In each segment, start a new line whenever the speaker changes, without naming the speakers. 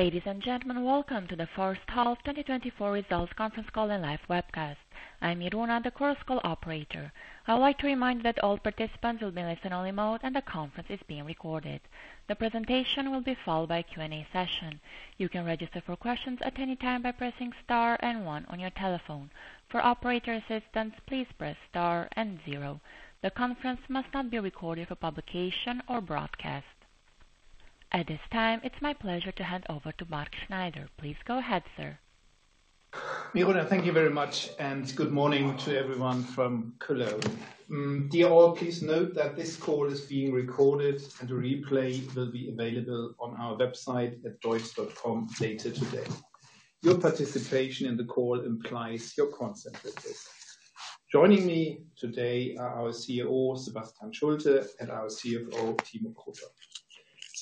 Ladies and gentlemen, welcome to the first half 2024 results conference call and live webcast. I'm Miruna, the conference call operator. I would like to remind you that all participants will be in listen-only mode, and the conference is being recorded. The presentation will be followed by a Q&A session. You can register for questions at any time by pressing Star and One on your telephone. For operator assistance, please press Star and Zero. The conference must not be recorded for publication or broadcast. At this time, it's my pleasure to hand over to Mark Schneider. Please go ahead, sir.
Miruna, thank you very much, and good morning to everyone from Cologne. Dear all, please note that this call is being recorded, and a replay will be available on our website at deutz.com later today. Your participation in the call implies your consent with this. Joining me today are our CEO, Sebastian Schulte, and our CFO, Timo Krutoff.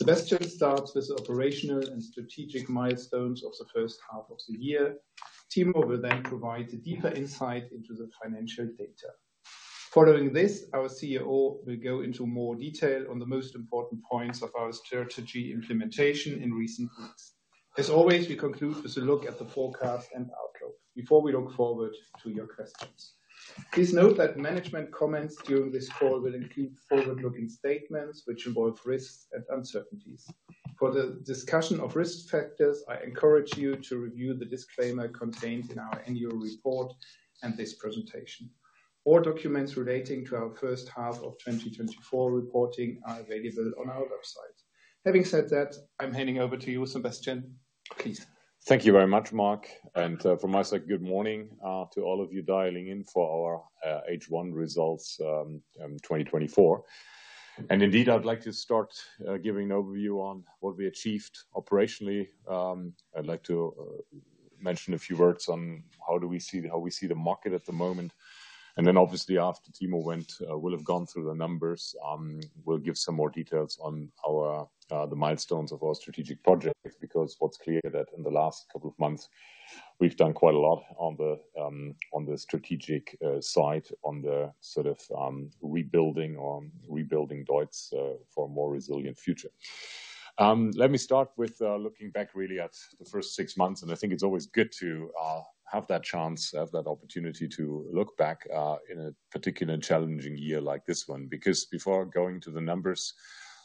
Sebastian starts with the operational and strategic milestones of the first half of the year. Timo will then provide a deeper insight into the financial data. Following this, our CEO will go into more detail on the most important points of our strategy implementation in recent weeks. As always, we conclude with a look at the forecast and outlook before we look forward to your questions. Please note that management comments during this call will include forward-looking statements, which involve risks and uncertainties. For the discussion of risk factors, I encourage you to review the disclaimer contained in our annual report and this presentation. All documents relating to our first half of 2024 reporting are available on our website. Having said that, I'm handing over to you, Sebastian, please.
Thank you very much, Mark, and from my side, good morning to all of you dialing in for our H1 results 2024. And indeed, I'd like to start giving an overview on what we achieved operationally. I'd like to mention a few words on how we see the market at the moment. And then obviously, after Timo will have gone through the numbers, we'll give some more details on the milestones of our strategic projects, because what's clear that in the last couple of months, we've done quite a lot on the strategic side, on the sort of rebuilding Deutz for a more resilient future. Let me start with looking back really at the first six months, and I think it's always good to have that chance, have that opportunity to look back in a particularly challenging year like this one. Because before going to the numbers,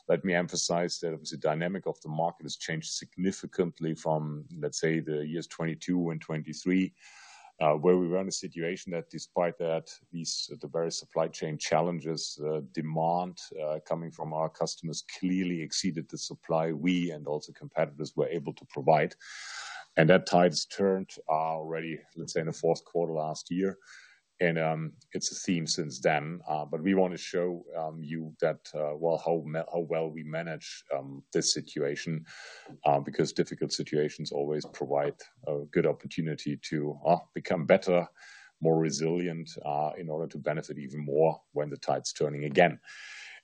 let me emphasize that the dynamic of the market has changed significantly from, let's say, the years 2022 and 2023, where we were in a situation that despite that, these, the various supply chain challenges, demand coming from our customers clearly exceeded the supply we and also competitors were able to provide. And that tide's turned already, let's say, in the fourth quarter of last year, and it's a theme since then. But we want to show you that, well, how well we manage this situation, because difficult situations always provide a good opportunity to become better, more resilient, in order to benefit even more when the tide's turning again.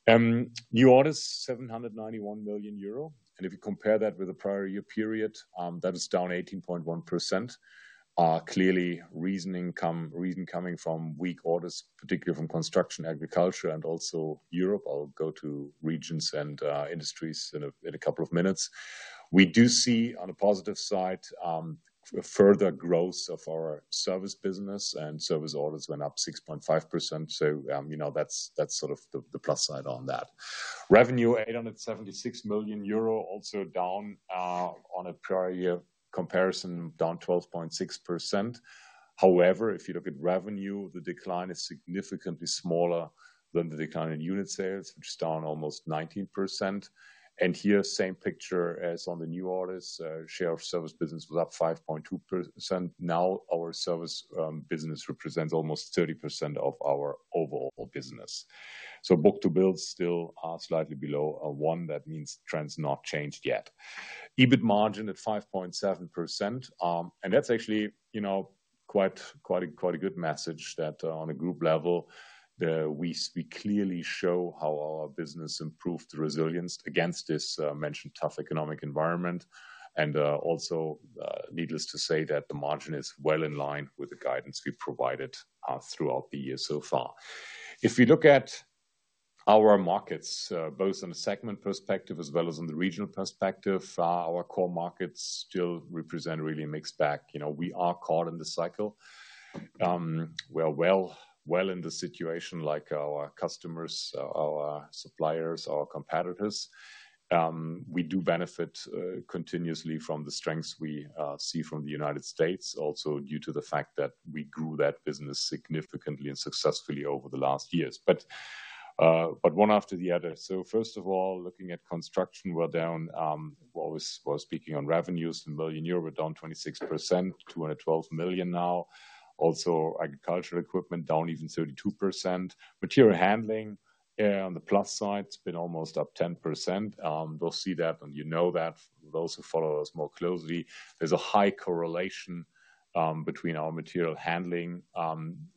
New orders, 791 million euro, and if you compare that with the prior year period, that is down 18.1%. Clearly, reason coming from weak orders, particularly from construction, agriculture, and also Europe. I'll go to regions and industries in a couple of minutes. We do see on a positive side, a further growth of our service business, and service orders went up 6.5%. So, you know, that's, that's sort of the plus side on that. Revenue, 876 million euro, also down on a prior year comparison, down 12.6%. However, if you look at revenue, the decline is significantly smaller than the decline in unit sales, which is down almost 19%. And here, same picture as on the new orders, share of service business was up 5.2%. Now, our service business represents almost 30% of our overall business. So book to bill still are slightly below 1. That means trends not changed yet. EBIT margin at 5.7%, and that's actually, you know, quite, quite a, quite a good message that on a group level we clearly show how our business improved the resilience against this mentioned tough economic environment. Also, needless to say that the margin is well in line with the guidance we provided throughout the year so far. If you look at our markets, both in the segment perspective as well as in the regional perspective, our core markets still represent really a mixed bag. You know, we are caught in the cycle. We are well, well in the situation like our customers, our suppliers, our competitors. We do benefit continuously from the strengths we see from the United States, also due to the fact that we grew that business significantly and successfully over the last years. But, but one after the other. So first of all, looking at construction, we're down, well, speaking on revenues, 1 million euro, we're down 26%, 212 million now. Also, agricultural equipment down even 32%. Material handling, on the plus side, it's been almost up 10%. We'll see that, and you know that. Those who follow us more closely, there's a high correlation between our material handling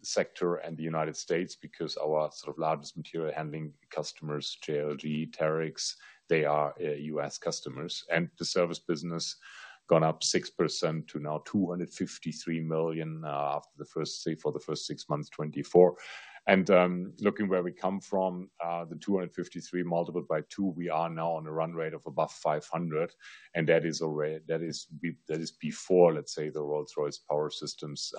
sector and the United States, because our sort of largest material handling customers, JLG, Terex, they are U.S. customers. And the service business gone up 6% to now 253 million after the first, say, for the first six months of 2024. And, looking where we come from, the 253 multiplied by two, we are now on a run rate of above 500 million, and that is already, that is before, let's say, the Rolls-Royce Power Systems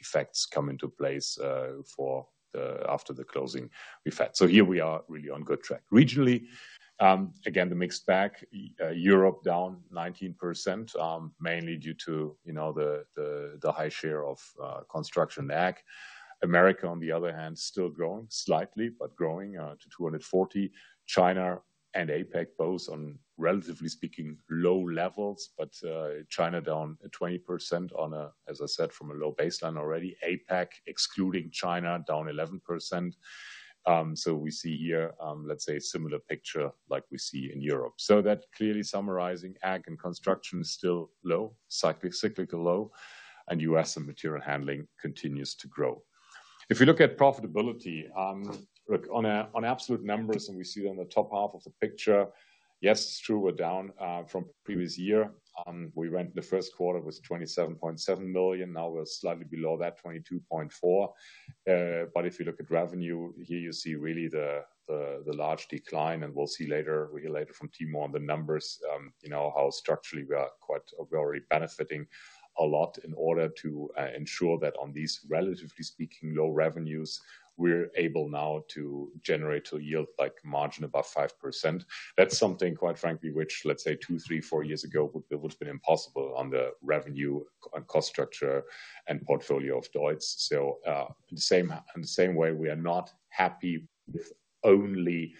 effects come into place, after the closing effect. So here we are really on good track. Regionally, again, the mixed bag, Europe down 19%, mainly due to, you know, the high share of construction ag. America, on the other hand, still growing slightly, but growing to 240. China and APAC, both on, relatively speaking, low levels, China down 20% on a, as I said, from a low baseline already. APAC, excluding China, down 11%. So we see here, let's say, a similar picture like we see in Europe. So that clearly summarizing, ag and construction is still low, cyclical low, and U.S. and material handling continues to grow. If you look at profitability, look, on absolute numbers, and we see it on the top half of the picture, yes, true, we're down from previous year. We went in the first quarter with 27.7 million, now we're slightly below that, 22.4. But if you look at revenue, here you see really the large decline, and we'll see later, hear later from Timo on the numbers, you know, how structurally we are quite-- we're already benefiting a lot in order to ensure that on these, relatively speaking, low revenues, we're able now to generate a yield like margin above 5%. That's something, quite frankly, which, let's say, two, three, four years ago, would have been impossible on the revenue and cost structure and portfolio of Deutz. So, in the same way, we are not happy with only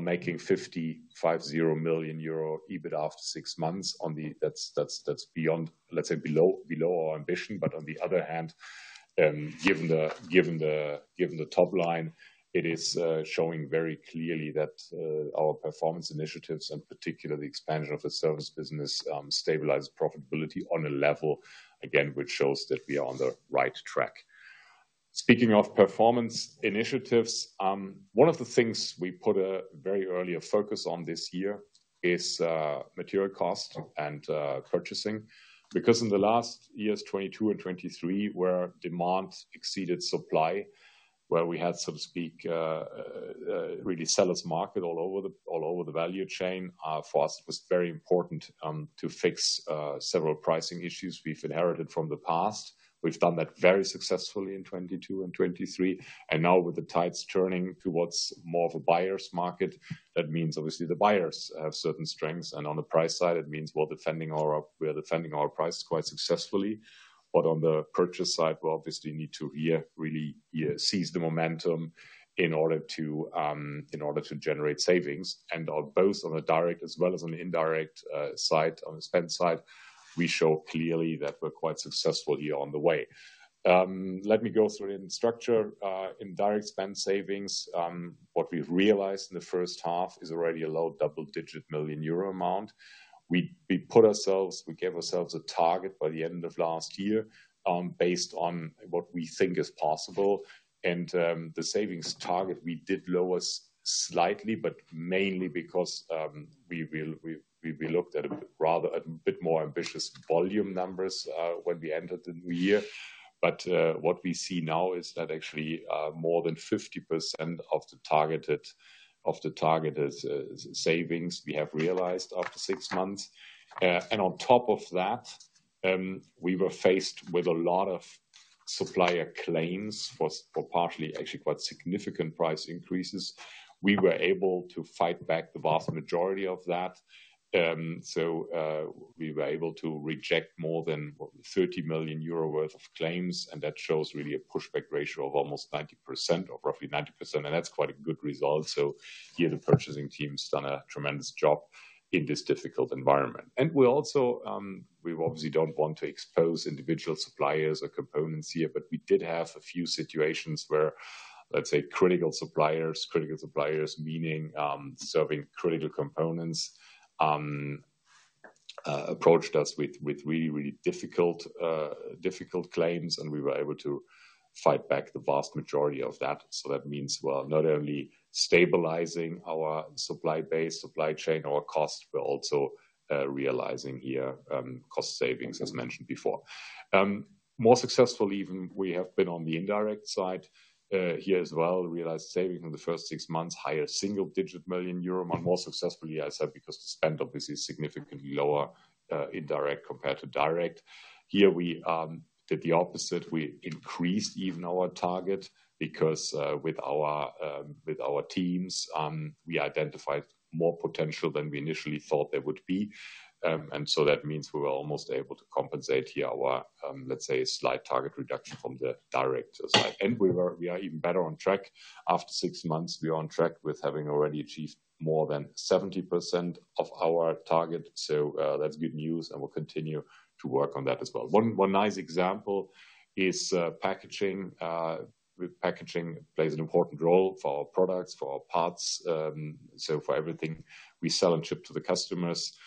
making 55.0 million euro, even after six months on the... That's beyond, let's say, below our ambition. But on the other hand, given the top line, it is showing very clearly that our performance initiatives, and particularly the expansion of the service business, stabilizes profitability on a level, again, which shows that we are on the right track. Speaking of performance initiatives, one of the things we put a very early focus on this year is material cost and purchasing. Because in the last years, 2022 and 2023, where demand exceeded supply, where we had, so to speak, really seller's market all over the value chain, for us, it was very important to fix several pricing issues we've inherited from the past. We've done that very successfully in 2022 and 2023, and now with the tides turning towards more of a buyer's market, that means obviously the buyers have certain strengths, and on the price side, it means we're defending our prices quite successfully. But on the purchase side, we obviously need to really seize the momentum in order to generate savings. And on both on a direct as well as on the indirect side, on the spend side, we show clearly that we're quite successful here on the way. Let me go through it in structure. In direct spend savings, what we've realized in the first half is already a low double-digit million EUR amount. We put ourselves, we gave ourselves a target by the end of last year, based on what we think is possible. The savings target, we did lower slightly, but mainly because we looked at a rather a bit more ambitious volume numbers when we entered the new year. But what we see now is that actually more than 50% of the targeted savings we have realized after six months. And on top of that, we were faced with a lot of supplier claims for partially actually quite significant price increases. We were able to fight back the vast majority of that. So we were able to reject more than 30 million euro worth of claims, and that shows really a pushback ratio of almost 90%, or roughly 90%, and that's quite a good result. So here, the purchasing team's done a tremendous job in this difficult environment. We also, we obviously don't want to expose individual suppliers or components here, but we did have a few situations where, let's say, critical suppliers, critical suppliers, meaning, serving critical components, approached us with, with really, really difficult, difficult claims, and we were able to fight back the vast majority of that. So that means we're not only stabilizing our supply base, supply chain, our costs, we're also, realizing here, cost savings, as mentioned before. More successful even, we have been on the indirect side, here as well, realized savings in the first six months, higher single-digit million EUR are more successful, I said, because the spend obviously is significantly lower, indirect compared to direct. Here we, did the opposite. We increased even our target, because, with our, with our teams, we identified more potential than we initially thought there would be. And so that means we were almost able to compensate here our, let's say, slight target reduction from the direct side. And we were- we are even better on track. After six months, we are on track with having already achieved more than 70% of our target, so, that's good news, and we'll continue to work on that as well. One nice example is packaging. With packaging plays an important role for our products, for our parts, so for everything we sell and ship to the customers.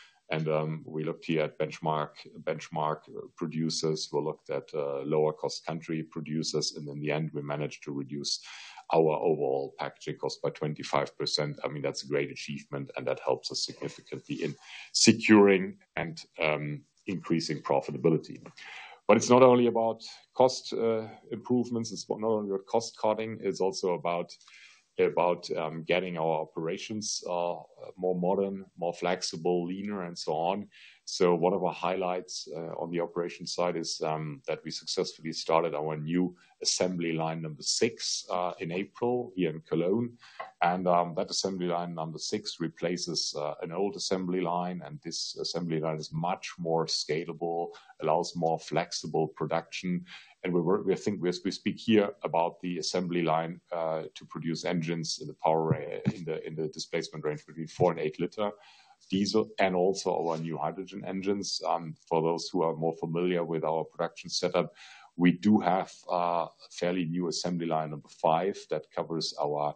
We looked here at benchmark producers, we looked at lower-cost country producers, and in the end, we managed to reduce our overall packaging cost by 25%. I mean, that's a great achievement, and that helps us significantly in securing and increasing profitability. But it's not only about cost improvements, it's not only about cost-cutting, it's also about getting our operations more modern, more flexible, leaner, and so on. So one of our highlights on the operation side is that we successfully started our new assembly line number six in April, here in Cologne, and that assembly line number six replaces an old assembly line, and this assembly line is much more scalable, allows more flexible production. And we speak here about the assembly line to produce engines in the power range, in the displacement range between 4 and 8 liter diesel, and also our new hydrogen engines. For those who are more familiar with our production setup, we do have a fairly new assembly line, number five, that covers our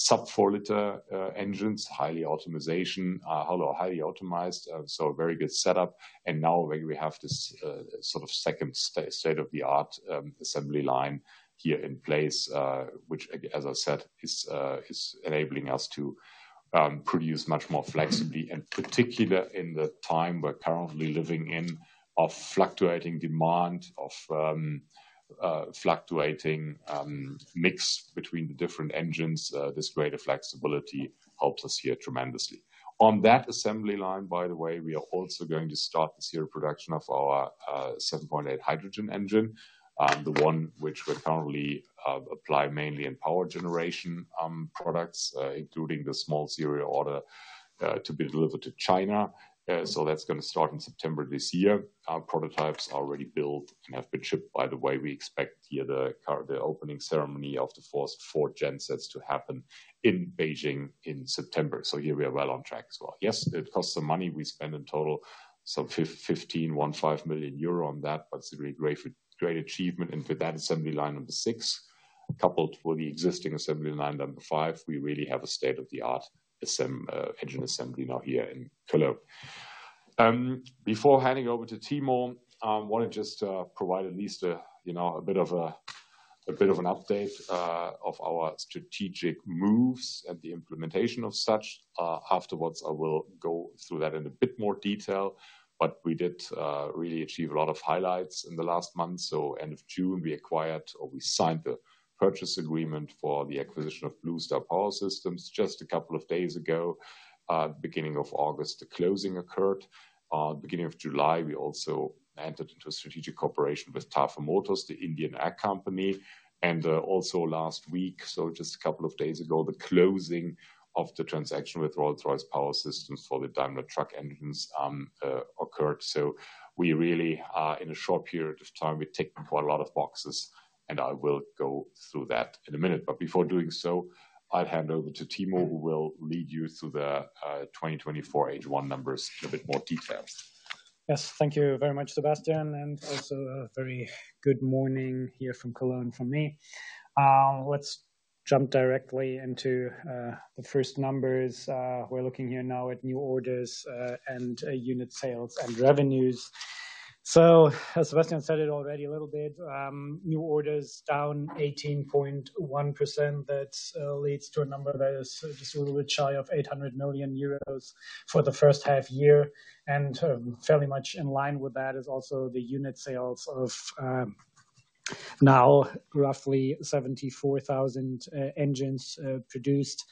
sub-4-liter engines, highly automation, highly optimized, so very good setup. And now we have this sort of second state-of-the-art assembly line here in place, which, as I said, is enabling us to produce much more flexibly, and particularly in the time we're currently living in, of fluctuating demand, of fluctuating mix between the different engines. This greater flexibility helps us here tremendously. On that assembly line, by the way, we are also going to start the serial production of our 7.8 hydrogen engine, the one which we currently apply mainly in power generation products, including the small serial order to be delivered to China. So that's going to start in September this year. Our prototypes are already built and have been shipped. By the way, we expect here the opening ceremony of the first four gensets to happen in Beijing in September. So here we are well on track as well. Yes, it costs some money. We spend in total some fifteen, one five million EUR on that, but it's a really great, great achievement. And with that assembly line number six, coupled with the existing assembly line number five, we really have a state-of-the-art engine assembly now here in Cologne. Before handing over to Timo, I want to just provide at least a, you know, a bit of an update of our strategic moves and the implementation of such. Afterwards, I will go through that in a bit more detail, but we did really achieve a lot of highlights in the last month. So end of June, we acquired or we signed the purchase agreement for the acquisition of Blue Star Power Systems just a couple of days ago. Beginning of August, the closing occurred. Beginning of July, we also entered into a strategic cooperation with Tata Motors, the Indian ag company, and also last week, so just a couple of days ago, the closing of the transaction with Rolls-Royce Power Systems for the Daimler Truck engines, occurred. So we really are, in a short period of time, we've ticked quite a lot of boxes, and I will go through that in a minute. But before doing so, I'll hand over to Timo, who will lead you through the 2024 H1 numbers in a bit more details.
Yes, thank you very much, Sebastian, and also a very good morning here from Cologne from me. Let's jump directly into the first numbers. We're looking here now at new orders and unit sales and revenues. So as Sebastian said it already a little bit, new orders down 18.1%. That leads to a number that is just a little bit shy of 800 million euros for the first half year. And, fairly much in line with that is also the unit sales of now roughly 74,000 engines produced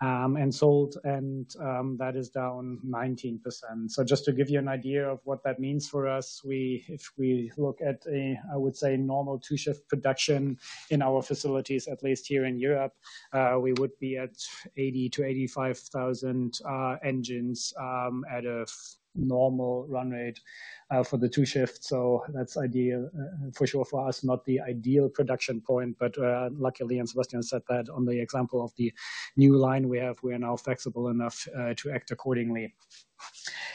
and sold, and that is down 19%. So just to give you an idea of what that means for us, we, if we look at a, I would say, normal two-shift production in our facilities, at least here in Europe, we would be at 80,000-85,000 engines at a normal run rate for the two shifts. So that's ideal, for sure, for us, not the ideal production point, but, luckily, and Sebastian said that on the example of the new line we have, we are now flexible enough to act accordingly.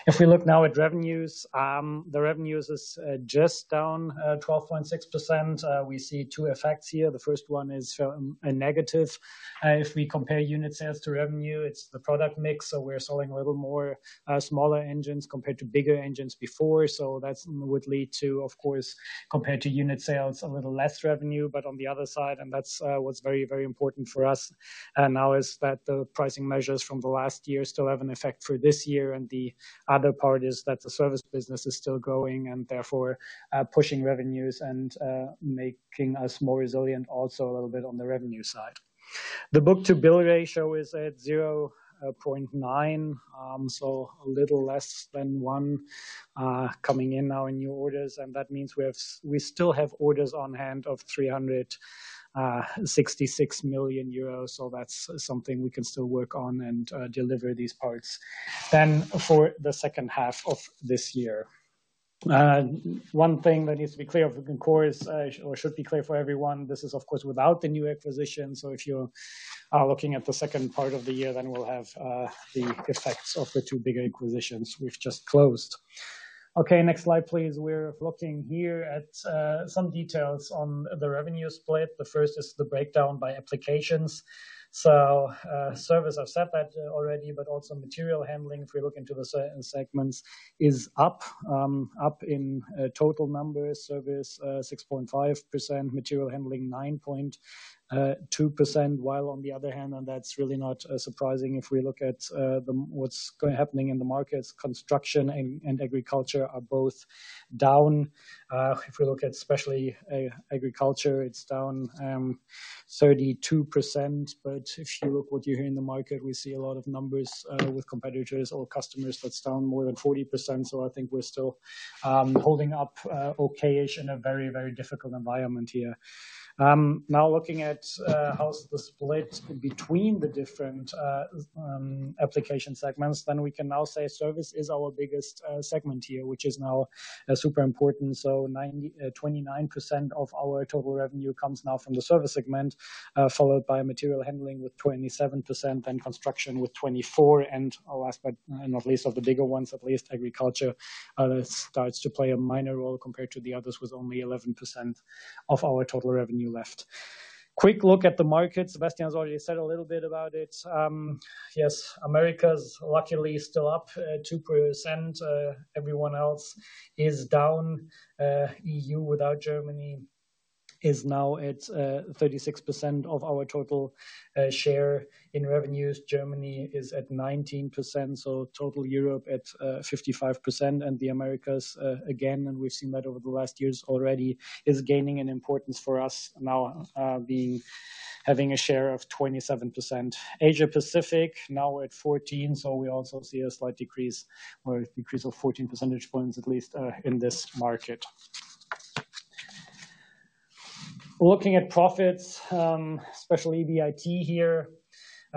If we look now at revenues, the revenues is just down 12.6%. We see two effects here. The first one is a negative. If we compare unit sales to revenue, it's the product mix, so we're selling a little more smaller engines compared to bigger engines before. So that's would lead to, of course, compared to unit sales, a little less revenue. But on the other side, and that's, what's very, very important for us, and now is that the pricing measures from the last year still have an effect for this year, and the other part is that the service business is still growing and therefore, pushing revenues and, making us more resilient also a little bit on the revenue side. The book-to-bill ratio is at 0.9, so a little less than one, coming in now in new orders, and that means we still have orders on hand of 366 million euros. So that's something we can still work on and, deliver these parts then for the second half of this year. One thing that needs to be clear, of course, or should be clear for everyone, this is, of course, without the new acquisition. So if you're looking at the second part of the year, then we'll have the effects of the two bigger acquisitions we've just closed. Okay, next slide, please. We're looking here at some details on the revenue split. The first is the breakdown by applications. So, service, I've said that already, but also material handling, if we look into the segments, is up. Up in total numbers, service 6.5%, material handling 9.2%, while on the other hand, and that's really not surprising, if we look at what's happening in the markets, construction and agriculture are both down. If we look at especially agriculture, it's down 32%, but if you look what you hear in the market, we see a lot of numbers with competitors or customers, that's down more than 40%. So I think we're still holding up okay-ish in a very, very difficult environment here. Now looking at how's the split between the different application segments, then we can now say service is our biggest segment here, which is now super important. So 29% of our total revenue comes now from the service segment, followed by material handling with 27%, then construction with 24%, and our last, but not least, of the bigger ones, at least, agriculture starts to play a minor role compared to the others, with only 11% of our total revenue left. Quick look at the market. Sebastian has already said a little bit about it. Yes, America's luckily still up, 2%. Everyone else is down. EU, without Germany, is now at, 36% of our total, share in revenues. Germany is at 19%, so total Europe at, 55%, and the Americas, again, and we've seen that over the last years already, is gaining an importance for us now, having a share of 27%. Asia Pacific, now at 14, so we also see a slight decrease or a decrease of 14 percentage points, at least, in this market. Looking at profits, especially EBIT here,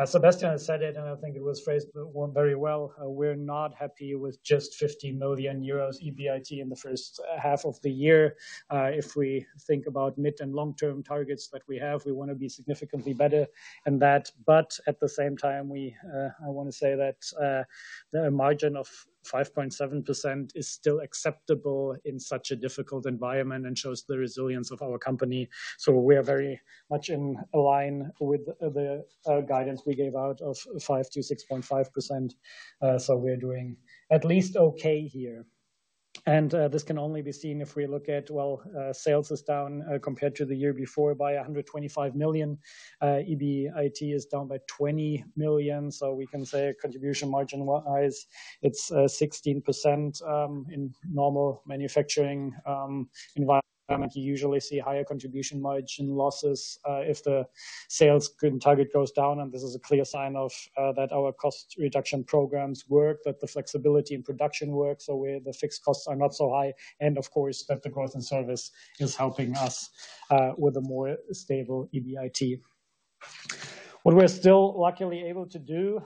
Sebastian has said it, and I think it was phrased very well. We're not happy with just 50 million euros EBIT in the first half of the year. If we think about mid- and long-term targets that we have, we want to be significantly better than that. But at the same time, we, I want to say that, the margin of 5.7% is still acceptable in such a difficult environment and shows the resilience of our company. So we are very much in line with the, guidance we gave out of 5%-6.5%. So we are doing at least okay here. And, this can only be seen if we look at, well, sales is down, compared to the year before by 125 million. EBIT is down by 20 million, so we can say contribution margin-wise, it's, 16%, in normal manufacturing, environment. You usually see higher contribution margin losses if the sales target goes down, and this is a clear sign of that our cost reduction programs work, that the flexibility in production works, so where the fixed costs are not so high, and of course, that the growth in service is helping us with a more stable EBIT. What we're still luckily able to do,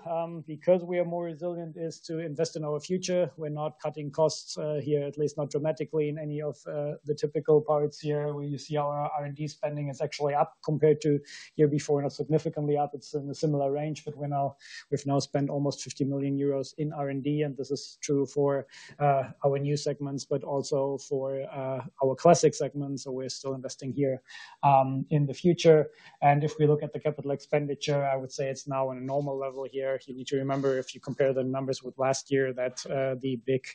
because we are more resilient, is to invest in our future. We're not cutting costs here, at least not dramatically in any of the typical parts here. We see our R&D spending is actually up compared to year before, not significantly up. It's in a similar range, but we've now spent almost 50 million euros in R&D, and this is true for our new segments, but also for our Classic segments. So we're still investing here, in the future. And if we look at the capital expenditure, I would say it's now on a normal level here. You need to remember, if you compare the numbers with last year, that, the big,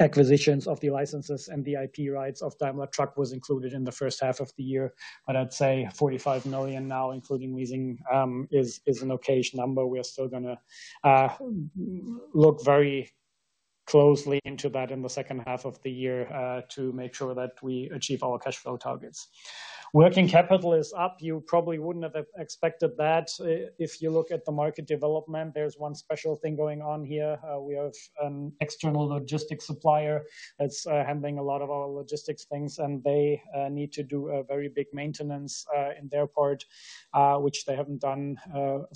acquisitions of the licenses and the IP rights of Daimler Truck was included in the first half of the year. But I'd say 45 million now, including leasing, is an okay-ish number. We are still gonna, look very closely into that in the second half of the year, to make sure that we achieve our cash flow targets. Working capital is up. You probably wouldn't have expected that. If you look at the market development, there's one special thing going on here. We have an external logistics supplier that's handling a lot of our logistics things, and they need to do a very big maintenance in their part, which they haven't done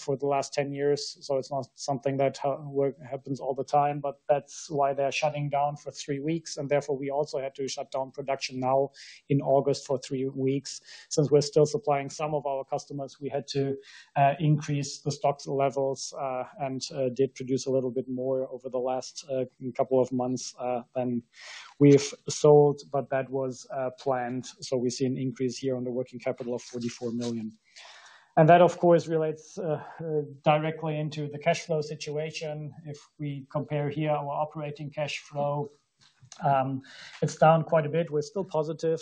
for the last 10 years. So it's not something that happens all the time, but that's why they're shutting down for 3 weeks, and therefore, we also had to shut down production now in August for 3 weeks. Since we're still supplying some of our customers, we had to increase the stock levels and did produce a little bit more over the last couple of months than we've sold, but that was planned. So we see an increase here on the working capital of 44 million. And that, of course, relates directly into the cash flow situation. If we compare here our operating cash flow, it's down quite a bit. We're still positive,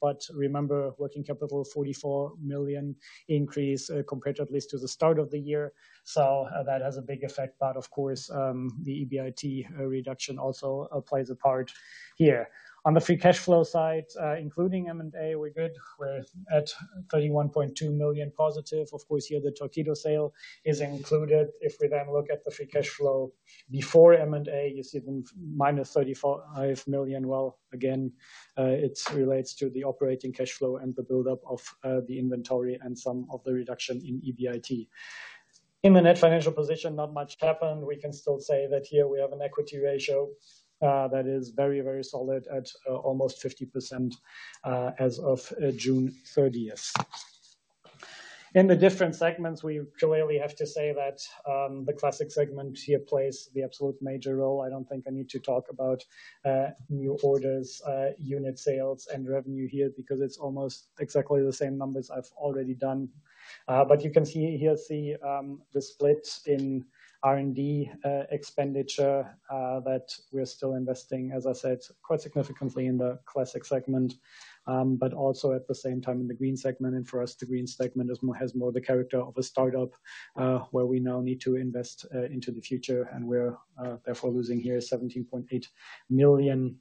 but remember, working capital, 44 million increase, compared to at least to the start of the year. So, that has a big effect. But of course, the EBIT reduction also plays a part here. On the free cash flow side, including M&A, we're good. We're at 31.2 million positive. Of course, here, the Torqeedo sale is included. If we then look at the free cash flow before M&A, you see the -34.5 million. Well, again, it relates to the operating cash flow and the build-up of the inventory and some of the reduction in EBIT. In the net financial position, not much happened. We can still say that here we have an equity ratio, that is very, very solid at almost 50%, as of June thirtieth. In the different segments, we really have to say that the Classic segment here plays the absolute major role. I don't think I need to talk about new orders, unit sales, and revenue here, because it's almost exactly the same numbers I've already done. But you can see here the split in R&D expenditure, that we're still investing, as I said, quite significantly in the Classic segment, but also at the same time in the Green segment. For us, the Green segment is more, has more the character of a start-up, where we now need to invest into the future, and we're therefore losing here 17.8 million,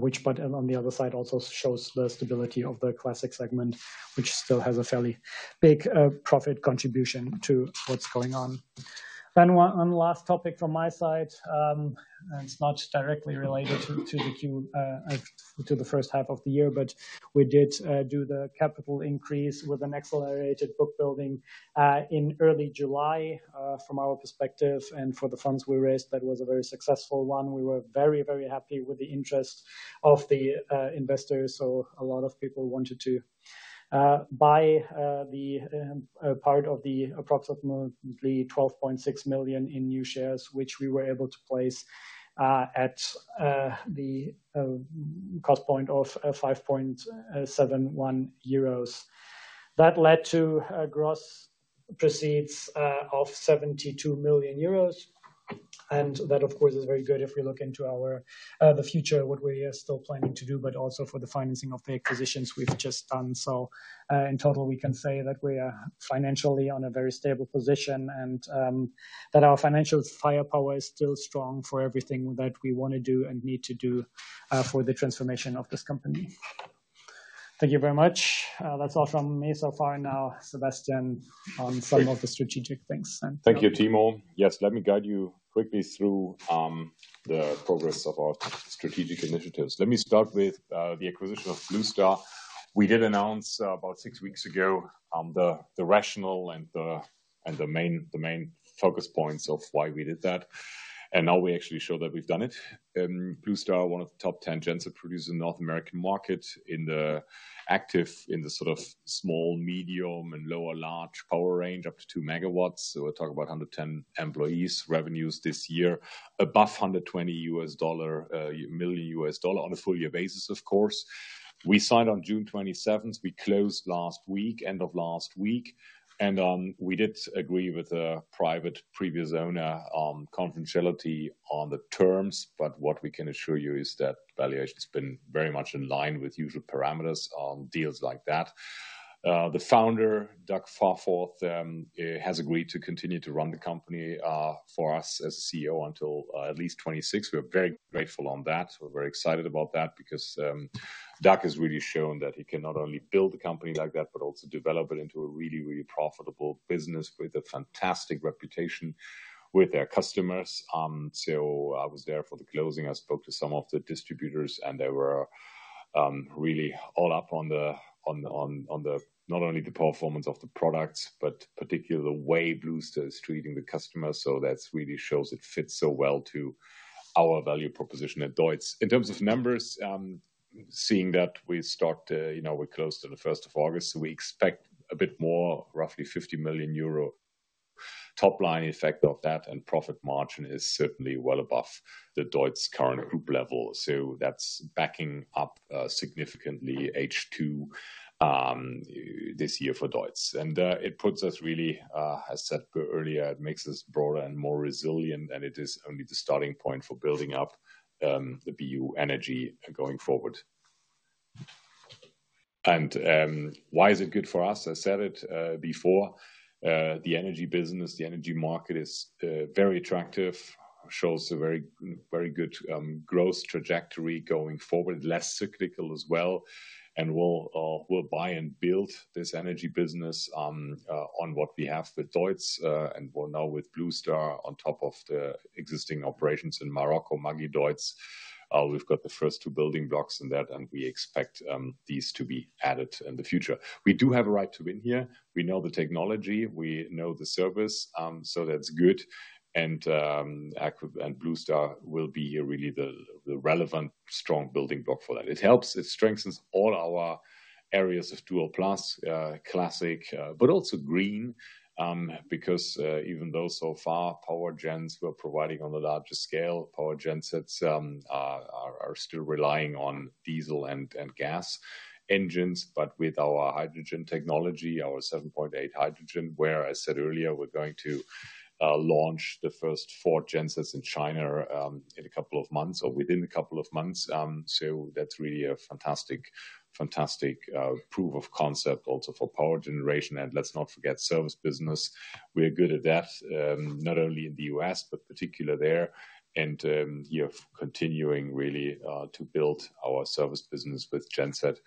which, but on the other side, also shows the stability of the Classic segment, which still has a fairly big profit contribution to what's going on. One last topic from my side, and it's not directly related to the Q- to the first half of the year, but we did do the capital increase with an accelerated book building in early July. From our perspective and for the funds we raised, that was a very successful one. We were very, very happy with the interest of the investors, so a lot of people wanted to buy the part of the approximately 12.6 million in new shares, which we were able to place at the cost point of 5.71 euros. That led to gross proceeds of 72 million euros, and that, of course, is very good if we look into our future, what we are still planning to do, but also for the financing of the acquisitions we've just done. So, in total, we can say that we are financially on a very stable position and that our financial firepower is still strong for everything that we want to do and need to do for the transformation of this company. Thank you very much. That's all from me so far. Now, Sebastian, on some of the strategic things.
Thank you, Timo. Yes, let me guide you quickly through the progress of our strategic initiatives. Let me start with the acquisition of Blue Star. We did announce about 6 weeks ago the rationale and the main focus points of why we did that, and now we actually show that we've done it. Blue Star, one of the top 10 genset producers in the North American market, in the active, in the sort of small, medium, and lower large power range, up to 2 megawatts. So we're talking about 110 employees. Revenues this year, above $120 million, on a full year basis, of course. We signed on June twenty-seventh. We closed last week, end of last week, and we did agree with the private previous owner on confidentiality on the terms, but what we can assure you is that valuation's been very much in line with usual parameters on deals like that. The founder, Doug Fahrforth, has agreed to continue to run the company for us as CEO until at least 2026. We're very grateful on that. We're very excited about that because Doug has really shown that he can not only build a company like that, but also develop it into a really, really profitable business with a fantastic reputation with their customers. So I was there for the closing. I spoke to some of the distributors, and they were really all up on the... not only the performance of the products, but particularly the way Blue Star is treating the customers. So that really shows it fits so well to our value proposition at Deutz. In terms of numbers, seeing that we start, you know, we're close to the first of August, we expect a bit more, roughly 50 million euro top line effect of that, and profit margin is certainly well above the Deutz current group level. So that's backing up significantly H2 this year for Deutz. And it puts us really, as said earlier, it makes us broader and more resilient, and it is only the starting point for building up the BU Energy going forward. And why is it good for us? I said it before, the energy business, the energy market is very attractive.... shows a very, very good, growth trajectory going forward, less cyclical as well. And we'll buy and build this energy business, on what we have with Deutz, and well, now with Blue Star on top of the existing operations in Morocco, Magideutz. We've got the first two building blocks in that, and we expect these to be added in the future. We do have a right to win here. We know the technology, we know the service, so that's good. And, Magideutz and Blue Star will be really the relevant, strong building block for that. It helps, it strengthens all our areas of Dual+, Classic, but also Green. Because, even though so far power gensets were providing on a larger scale, power gensets are still relying on diesel and gas engines. But with our hydrogen technology, our 7.8 hydrogen, where I said earlier, we're going to launch the first 4 gensets in China in a couple of months or within a couple of months. So that's really a fantastic, fantastic proof of concept also for power generation. And let's not forget, service business. We're good at that, not only in the U.S., but particular there. And yeah, continuing really to build our service business with genset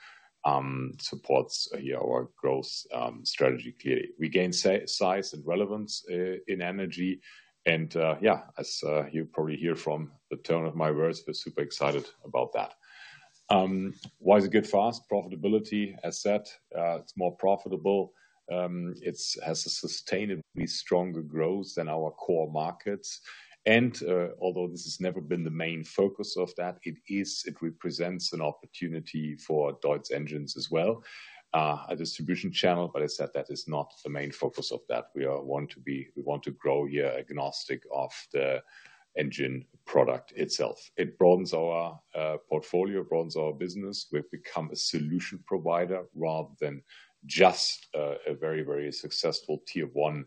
supports yeah our growth strategy clearly. We gain size and relevance in energy, and yeah, as you probably hear from the tone of my words, we're super excited about that. Why is it get fast? Profitability, as said, it's more profitable. It's has a sustainably stronger growth than our core markets. Although this has never been the main focus of that, it is—it represents an opportunity for Deutz engines as well, a distribution channel, but I said that is not the main focus of that. We want to be—We want to grow here agnostic of the engine product itself. It broadens our portfolio, broadens our business. We've become a solution provider rather than just a very, very successful tier one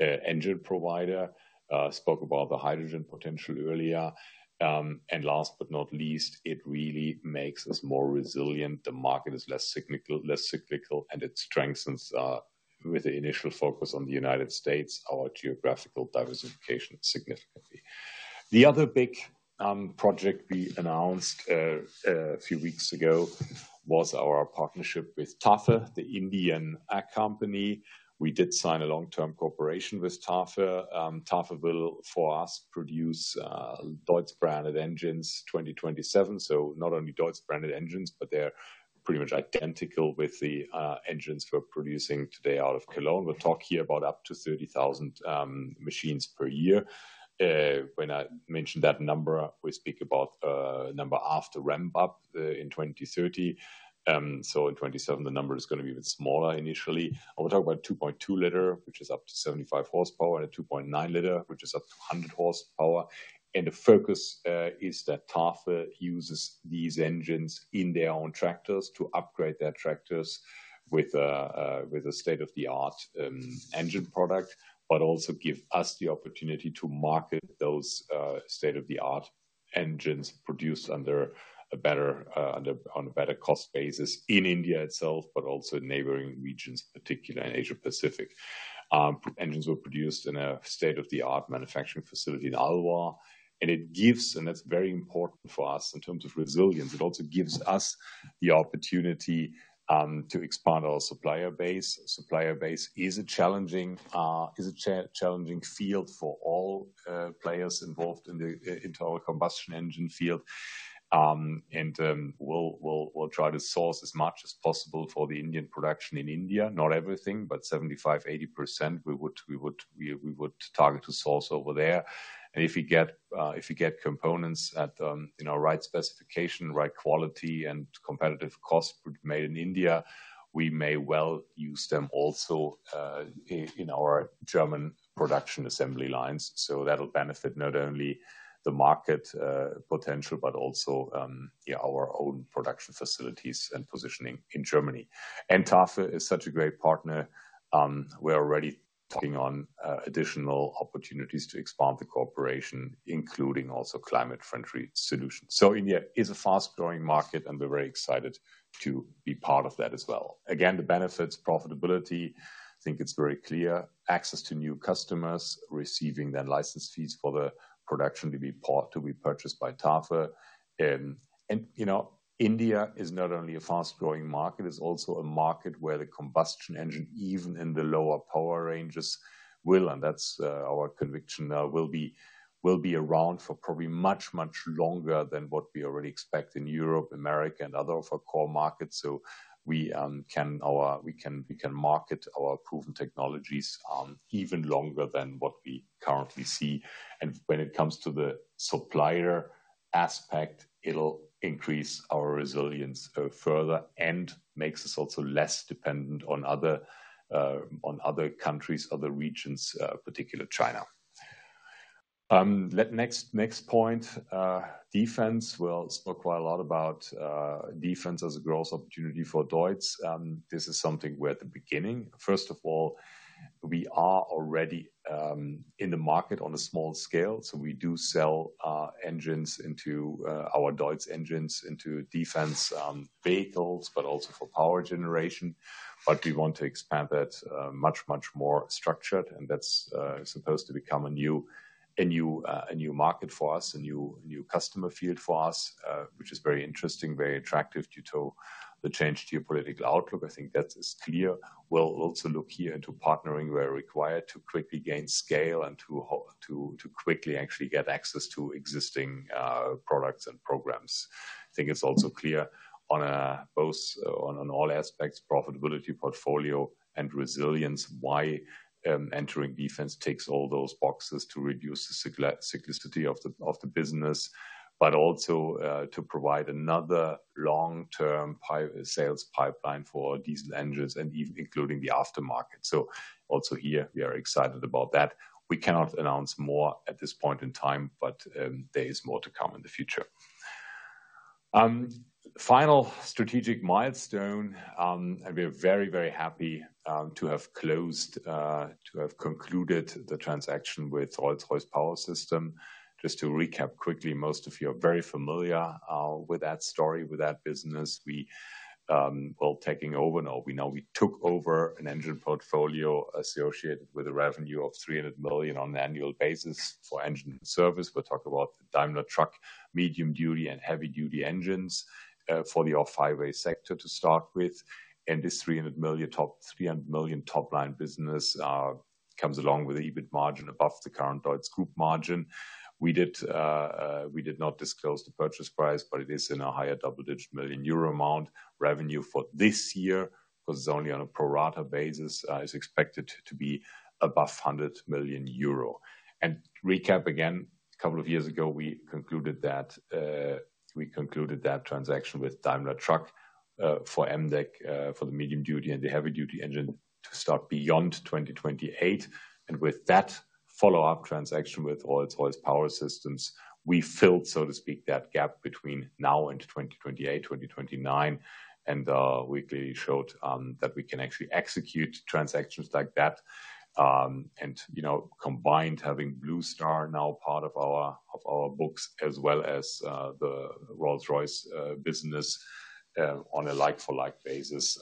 engine provider. Spoke about the hydrogen potential earlier. And last but not least, it really makes us more resilient. The market is less cyclical, less cyclical, and it strengthens, with the initial focus on the United States, our geographical diversification significantly. The other big project we announced a few weeks ago was our partnership with Tata, the Indian company. We did sign a long-term cooperation with Tata. Tata will, for us, produce Deutz-branded engines in 2027. So not only Deutz-branded engines, but they're pretty much identical with the engines we're producing today out of Cologne. We'll talk here about up to 30,000 machines per year. When I mentioned that number, we speak about number after ramp up in 2030. So in 2027, the number is gonna be even smaller initially. I would talk about 2.2-liter, which is up to 75 horsepower, and a 2.9-liter, which is up to 100 horsepower. And the focus is that Tata uses these engines in their own tractors to upgrade their tractors with a state-of-the-art engine product, but also give us the opportunity to market those state-of-the-art engines produced on a better cost basis in India itself, but also in neighboring regions, particularly in Asia Pacific. Engines were produced in a state-of-the-art manufacturing facility in Alwar, and it gives, and that's very important for us in terms of resilience. It also gives us the opportunity to expand our supplier base. Supplier base is a challenging field for all players involved in the internal combustion engine field. And we'll try to source as much as possible for the Indian production in India. Not everything, but 75%-80%, we would target to source over there. And if we get components at, in our right specification, right quality, and competitive cost made in India, we may well use them also, in our German production assembly lines. So that'll benefit not only the market potential, but also, our own production facilities and positioning in Germany. And Tata is such a great partner. We're already talking on, additional opportunities to expand the cooperation, including also climate-friendly solutions. So India is a fast-growing market, and we're very excited to be part of that as well. Again, the benefits, profitability, I think it's very clear. Access to new customers, receiving their license fees for the production to be part- to be purchased by Tata. And you know, India is not only a fast-growing market, it's also a market where the combustion engine, even in the lower power ranges, will, and that's our conviction now, will be around for probably much longer than what we already expect in Europe, America, and other of our core markets. So we can market our proven technologies even longer than what we currently see. And when it comes to the supplier aspect, it'll increase our resilience further and makes us also less dependent on other countries, other regions, particularly China. Next point, defense. We've spoken quite a lot about defense as a growth opportunity for Deutz. This is something we're at the beginning. First of all, we are already in the market on a small scale, so we do sell engines into our Deutz engines into defense vehicles, but also for power generation. But we want to expand that much, much more structured, and that's supposed to become a new, a new, a new market for us, a new, new customer field for us, which is very interesting, very attractive due to the change to your political outlook, I think that is clear. We'll also look here into partnering where required to quickly gain scale and to quickly actually get access to existing products and programs. I think it's also clear on both on all aspects, profitability, portfolio, and resilience, why entering defense ticks all those boxes to reduce the cyclicity of the business, but also to provide another long-term sales pipeline for diesel engines and even including the aftermarket. So also here, we are excited about that. We cannot announce more at this point in time, but there is more to come in the future. Final strategic milestone, and we are very, very happy to have closed to have concluded the transaction with Rolls-Royce Power Systems. Just to recap quickly, most of you are very familiar with that story, with that business. We, well, now we know we took over an engine portfolio associated with a revenue of 300 million on an annual basis for engine service. We'll talk about Daimler Truck, medium-duty and heavy-duty engines, for the off-highway sector to start with. And this 300 million top-line business comes along with an EBIT margin above the current Deutz group margin. We did not disclose the purchase price, but it is in a higher double-digit million EUR amount. Revenue for this year, because it's only on a pro rata basis, is expected to be above 100 million euro. And recap again, a couple of years ago, we concluded that transaction with Daimler Truck, for MDEG, for the medium-duty and the heavy-duty engine to start beyond 2028. With that follow-up transaction with Rolls-Royce Power Systems, we filled, so to speak, that gap between now and 2028, 2029. We clearly showed that we can actually execute transactions like that. You know, combined, having Blue Star now part of our books, as well as the Rolls-Royce business, on a like for like basis,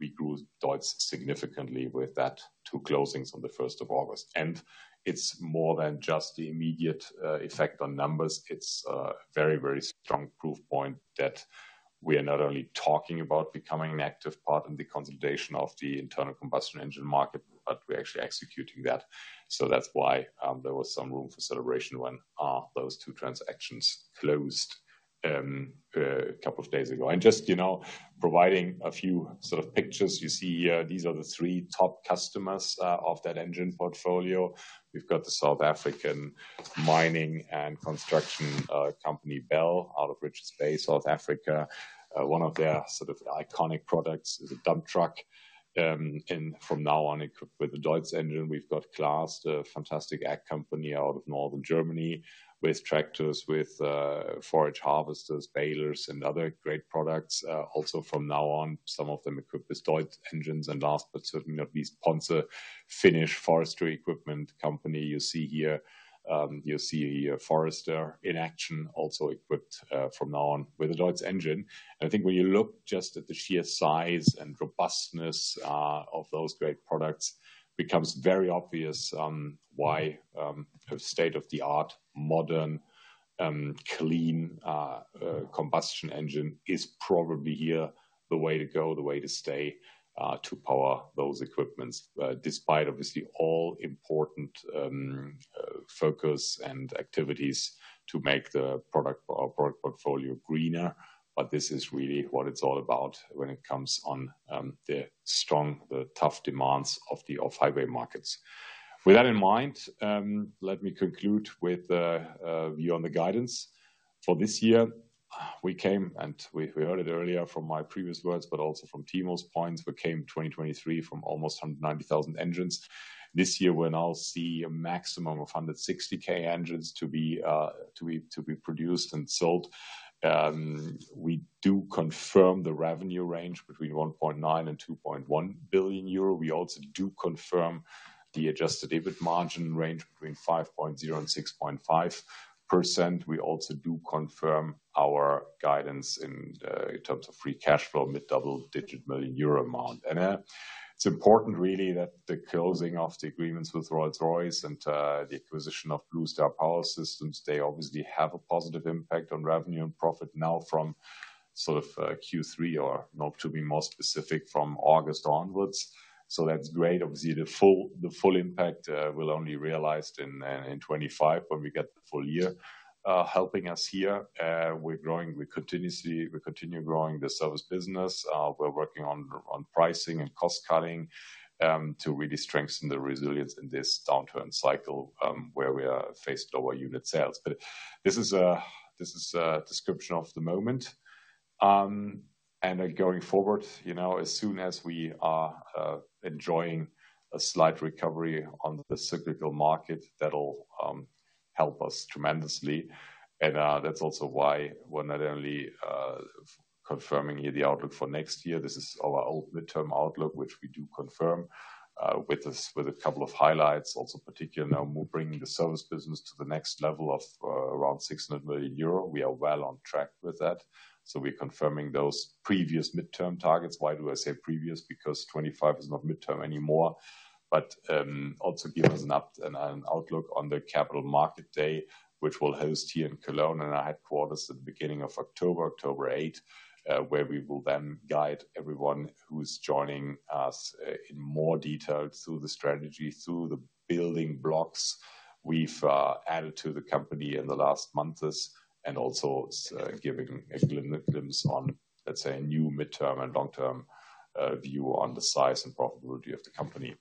we grew Deutz significantly with that two closings on the first of August. It's more than just the immediate effect on numbers. It's a very, very strong proof point that we are not only talking about becoming an active part in the consolidation of the internal combustion engine market, but we're actually executing that. That's why there was some room for celebration when those two transactions closed a couple of days ago. Just, you know, providing a few sort of pictures. You see here, these are the three top customers of that engine portfolio. We've got the South African mining and construction company, Bell, out of Richards Bay, South Africa. One of their sort of iconic products is a dump truck, and from now on, equipped with a Deutz engine. We've got Claas, a fantastic ag company out of northern Germany, with tractors, with forage harvesters, balers, and other great products. Also from now on, some of them equipped with Deutz engines. And last, but certainly not least, Ponsse, Finnish forestry equipment company. You see here, you see a forester in action, also equipped from now on with a Deutz engine. I think when you look just at the sheer size and robustness of those great products, becomes very obvious why a state-of-the-art, modern, clean combustion engine is probably here the way to go, the way to stay to power those equipment. Despite obviously all important focus and activities to make the product, our product portfolio greener, but this is really what it's all about when it comes on the strong, the tough demands of the off-highway markets. With that in mind, let me conclude with view on the guidance. For this year, we came, and we heard it earlier from my previous words, but also from Timo's points, we came 2023 from almost 190,000 engines. This year, we'll now see a maximum of 160 K engines to be produced and sold. We do confirm the revenue range between 1.9 billion and 2.1 billion euro. We also do confirm the adjusted EBIT margin range between 5.0% and 6.5%. We also do confirm our guidance in terms of free cash flow, mid-double digit million EUR amount. And it's important really that the closing of the agreements with Rolls-Royce and the acquisition of Blue Star Power Systems, they obviously have a positive impact on revenue and profit now from sort of Q3 or, you know, to be more specific, from August onwards. So that's great. Obviously, the full impact will only realized in 2025, when we get the full year helping us here. We're growing, we continue growing the service business. We're working on pricing and cost cutting to really strengthen the resilience in this downturn cycle, where we are faced lower unit sales. But this is a description of the moment. And then going forward, you know, as soon as we are enjoying a slight recovery on the cyclical market, that'll help us tremendously. And that's also why we're not only confirming here the outlook for next year, this is our mid-term outlook, which we do confirm with this, with a couple of highlights. Also, particularly now, we're bringing the service business to the next level of around 600 million euro. We are well on track with that, so we're confirming those previous midterm targets. Why do I say previous? Because 25 is not midterm anymore. But also give us an outlook on the Capital Markets Day, which we'll host here in Cologne, in our headquarters at the beginning of October, October 8, where we will then guide everyone who's joining us in more detail through the strategy building blocks we've added to the company in the last months, and also it's giving a glimpse on, let's say, a new midterm and long-term view on the size and profitability of the company.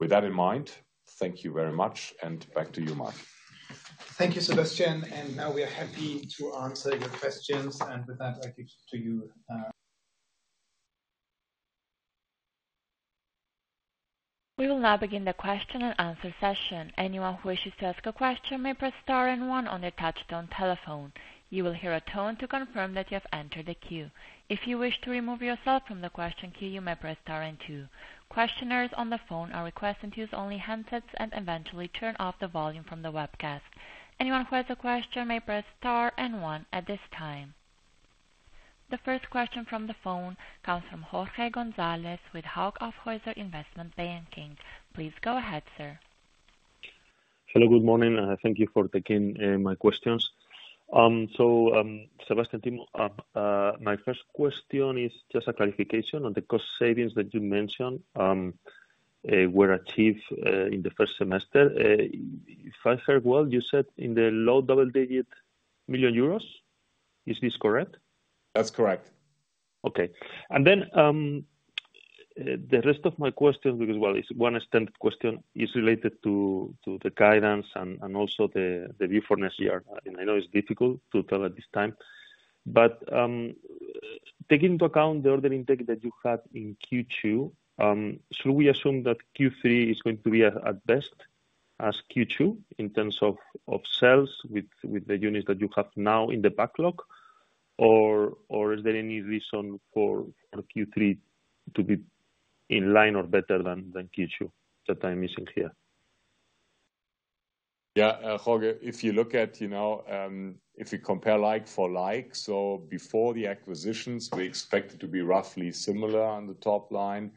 With that in mind, thank you very much. And back to you, Mark.
Thank you, Sebastian, and now we are happy to answer your questions. With that, I give to you,
We will now begin the question and answer session. Anyone who wishes to ask a question may press star and one on their touchtone telephone. You will hear a tone to confirm that you have entered the queue. If you wish to remove yourself from the question queue, you may press star and two. Questioners on the phone are requested to use only handsets and eventually turn off the volume from the webcast. Anyone who has a question may press star and one at this time. The first question from the phone comes from Jorge Gonzalez with Hauck Aufhäuser Investment Bank. Please go ahead, sir.
Hello, good morning, and thank you for taking my questions. So, Sebastian, Timo, my first question is just a clarification on the cost savings that you mentioned were achieved in the first semester. If I heard well, you said in the low double-digit million EUR. Is this correct?
That's correct.
Okay. And then the rest of my question, because, well, it's one extended question, is related to the guidance and also the view for next year. And I know it's difficult to tell at this time. But, taking into account the order intake that you had in Q2, should we assume that Q3 is going to be at best as Q2 in terms of sales with the units that you have now in the backlog? Or is there any reason for Q3 to be in line or better than Q2, that I'm missing here?
Yeah, Jorge, if you look at, you know, if you compare like for like, so before the acquisitions, we expect it to be roughly similar on the top line.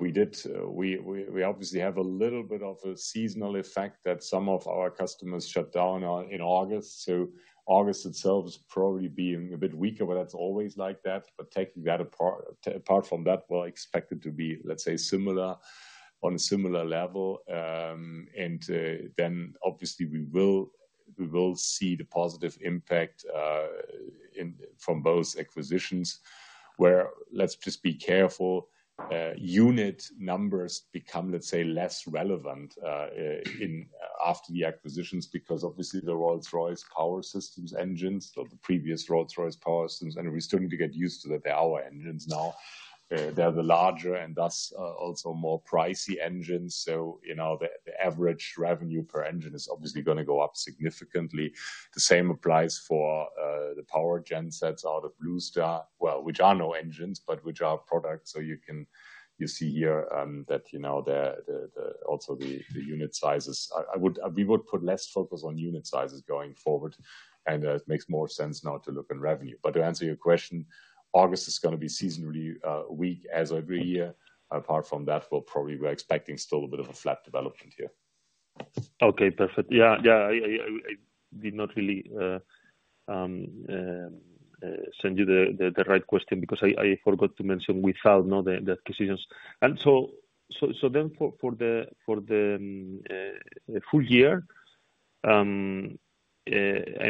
We obviously have a little bit of a seasonal effect that some of our customers shut down on, in August. So August itself is probably being a bit weaker, but that's always like that. But taking that apart, apart from that, well, I expect it to be, let's say, similar, on a similar level. And then obviously, we will see the positive impact in from both acquisitions, where let's just be careful, unit numbers become, let's say, less relevant, in after the acquisitions. Because obviously, the Rolls-Royce Power Systems engines or the previous Rolls-Royce Power Systems, and we still need to get used to that they're our engines now. They're the larger and thus also more pricey engines. So, you know, the average revenue per engine is obviously gonna go up significantly. The same applies for the power gensets out of Blue Star, well, which are no engines, but which are products. So you see here that, you know, also the unit sizes. We would put less focus on unit sizes going forward, and it makes more sense now to look in revenue. But to answer your question, August is gonna be seasonally weak as every year. Apart from that, we'll probably we're expecting still a bit of a flat development here.
Okay, perfect. Yeah, yeah, I did not really send you the right question because I forgot to mention without knowing the acquisitions. So then for the full year, I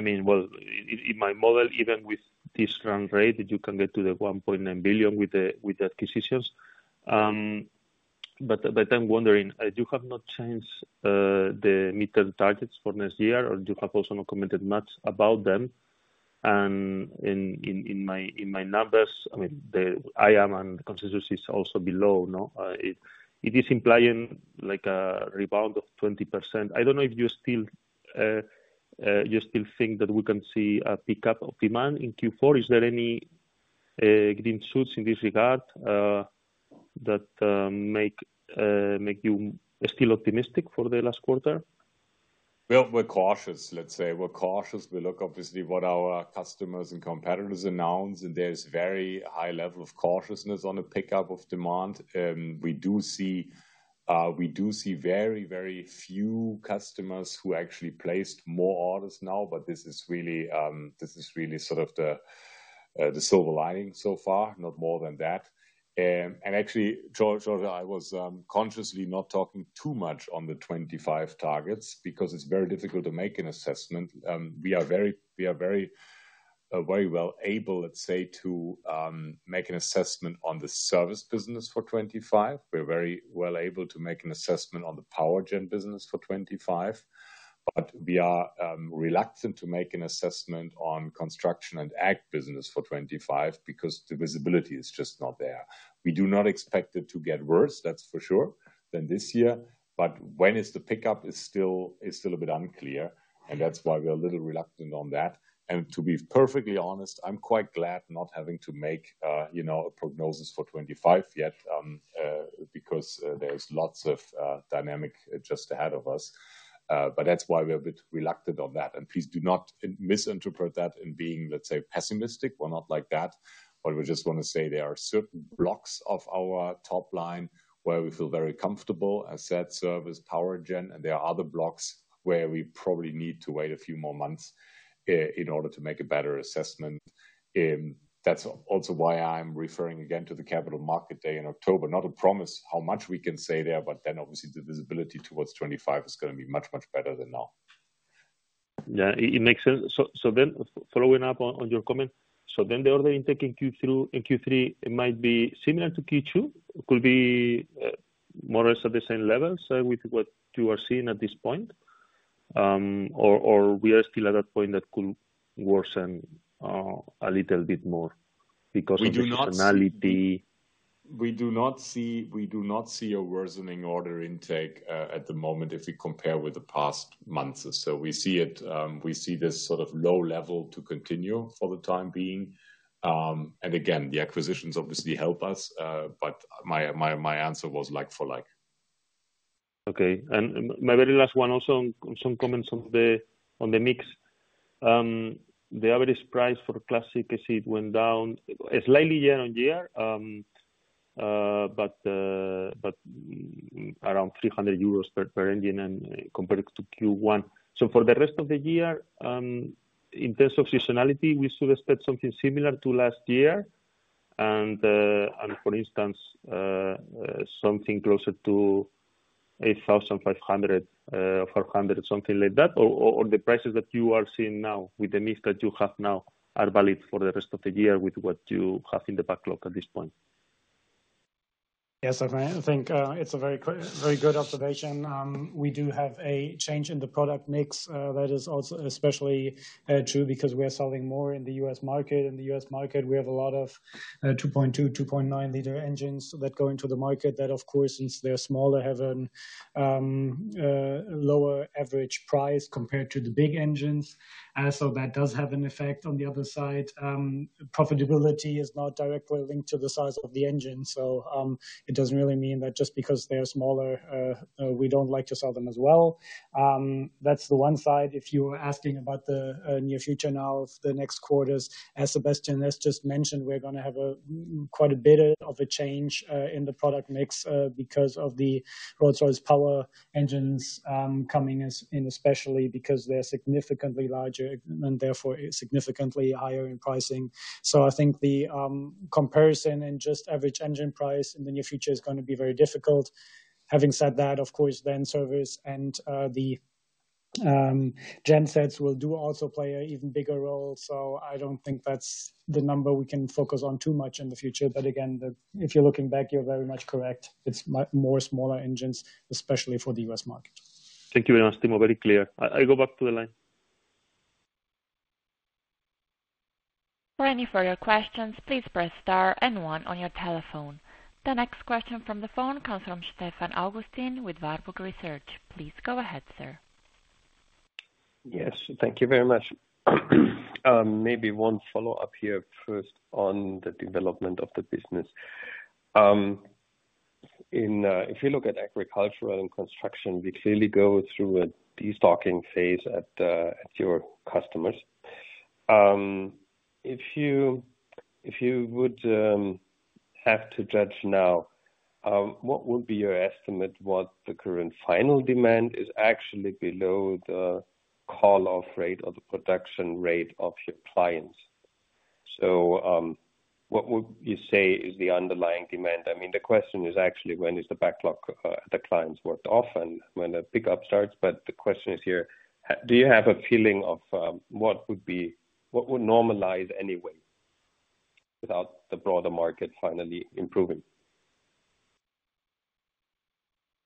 mean, well, in my model, even with this run rate, you can get to the 1.9 billion with the acquisitions. But I'm wondering, you have not changed the midterm targets for next year, or you have also not commented much about them. And in my numbers, I mean, the EBIT margin and the consistency is also below, no? It is implying like a rebound of 20%. I don't know if you still think that we can see a pickup of demand in Q4. Is there any Green shoots in this regard that make you still optimistic for the last quarter?
Well, we're cautious, let's say. We're cautious. We look obviously what our customers and competitors announce, and there's very high level of cautiousness on the pickup of demand. We do see very, very few customers who actually placed more orders now, but this is really sort of the silver lining so far, not more than that. And actually, Jorge, I was consciously not talking too much on the 25 targets because it's very difficult to make an assessment. We are very well able, let's say, to make an assessment on the service business for 25. We're very well able to make an assessment on the power gen business for 25. But we are reluctant to make an assessment on construction and ag business for 2025 because the visibility is just not there. We do not expect it to get worse, that's for sure, than this year. But when the pickup is still a bit unclear, and that's why we're a little reluctant on that. And to be perfectly honest, I'm quite glad not having to make, you know, a prognosis for 2025 yet, because there's lots of dynamic just ahead of us. But that's why we're a bit reluctant on that. And please do not misinterpret that in being, let's say, pessimistic. We're not like that, but we just wanna say there are certain blocks of our top line where we feel very comfortable, as said, service, power gen, and there are other blocks where we probably need to wait a few more months, in order to make a better assessment. That's also why I'm referring again to the Capital Markets Day in October. Not a promise how much we can say there, but then obviously the visibility towards 2025 is gonna be much, much better than now....
Yeah, it makes sense. So then following up on your comment, so then the order intake in Q2, in Q3, it might be similar to Q2? It could be more or less at the same level, so with what you are seeing at this point, or we are still at a point that could worsen a little bit more because of the seasonality?
We do not see, we do not see a worsening order intake at the moment if we compare with the past months. So we see it, we see this sort of low level to continue for the time being. And again, the acquisitions obviously help us, but my, my, my answer was like for like.
Okay. And my very last one, also on some comments on the mix. The average price for Classic ICE it went down slightly year-on-year, but around 300 euros per engine and compared to Q1. So for the rest of the year, in terms of seasonality, we suggested something similar to last year. And for instance, something closer to 8,500, or 400, something like that, or the prices that you are seeing now with the mix that you have now, are valid for the rest of the year with what you have in the backlog at this point?
Yes, I think, it's a very good observation. We do have a change in the product mix, that is also especially true because we are selling more in the U.S. market. In the U.S. market, we have a lot of, 2.2, 2.9 liter engines that go into the market, that of course, since they're smaller, have an, lower average price compared to the big engines. So that does have an effect. On the other side, profitability is not directly linked to the size of the engine, so, it doesn't really mean that just because they are smaller, we don't like to sell them as well. That's the one side. If you were asking about the near future now of the next quarters, as Sebastian has just mentioned, we're gonna have quite a bit of a change in the product mix because of the Rolls-Royce power engines coming in, especially because they're significantly larger and therefore significantly higher in pricing. So I think the comparison in just average engine price in the near future is gonna be very difficult. Having said that, of course, then service and the gensets will also play an even bigger role, so I don't think that's the number we can focus on too much in the future. But again, if you're looking back, you're very much correct. It's more smaller engines, especially for the U.S. market.
Thank you very much, Timo. Very clear. I go back to the line.
For any further questions, please press star and one on your telephone. The next question from the phone comes from Stefan Augustin with Warburg Research. Please go ahead, sir.
Yes, thank you very much. Maybe one follow-up here first on the development of the business. If you look at agricultural and construction, we clearly go through a destocking phase at the, at your customers. If you, if you would have to judge now, what would be your estimate what the current final demand is actually below the call-off rate or the production rate of your clients? So, what would you say is the underlying demand? I mean, the question is actually, when is the backlog, the clients worked off and when the pickup starts, but the question is here: do you have a feeling of, what would be... What would normalize anyway without the broader market finally improving?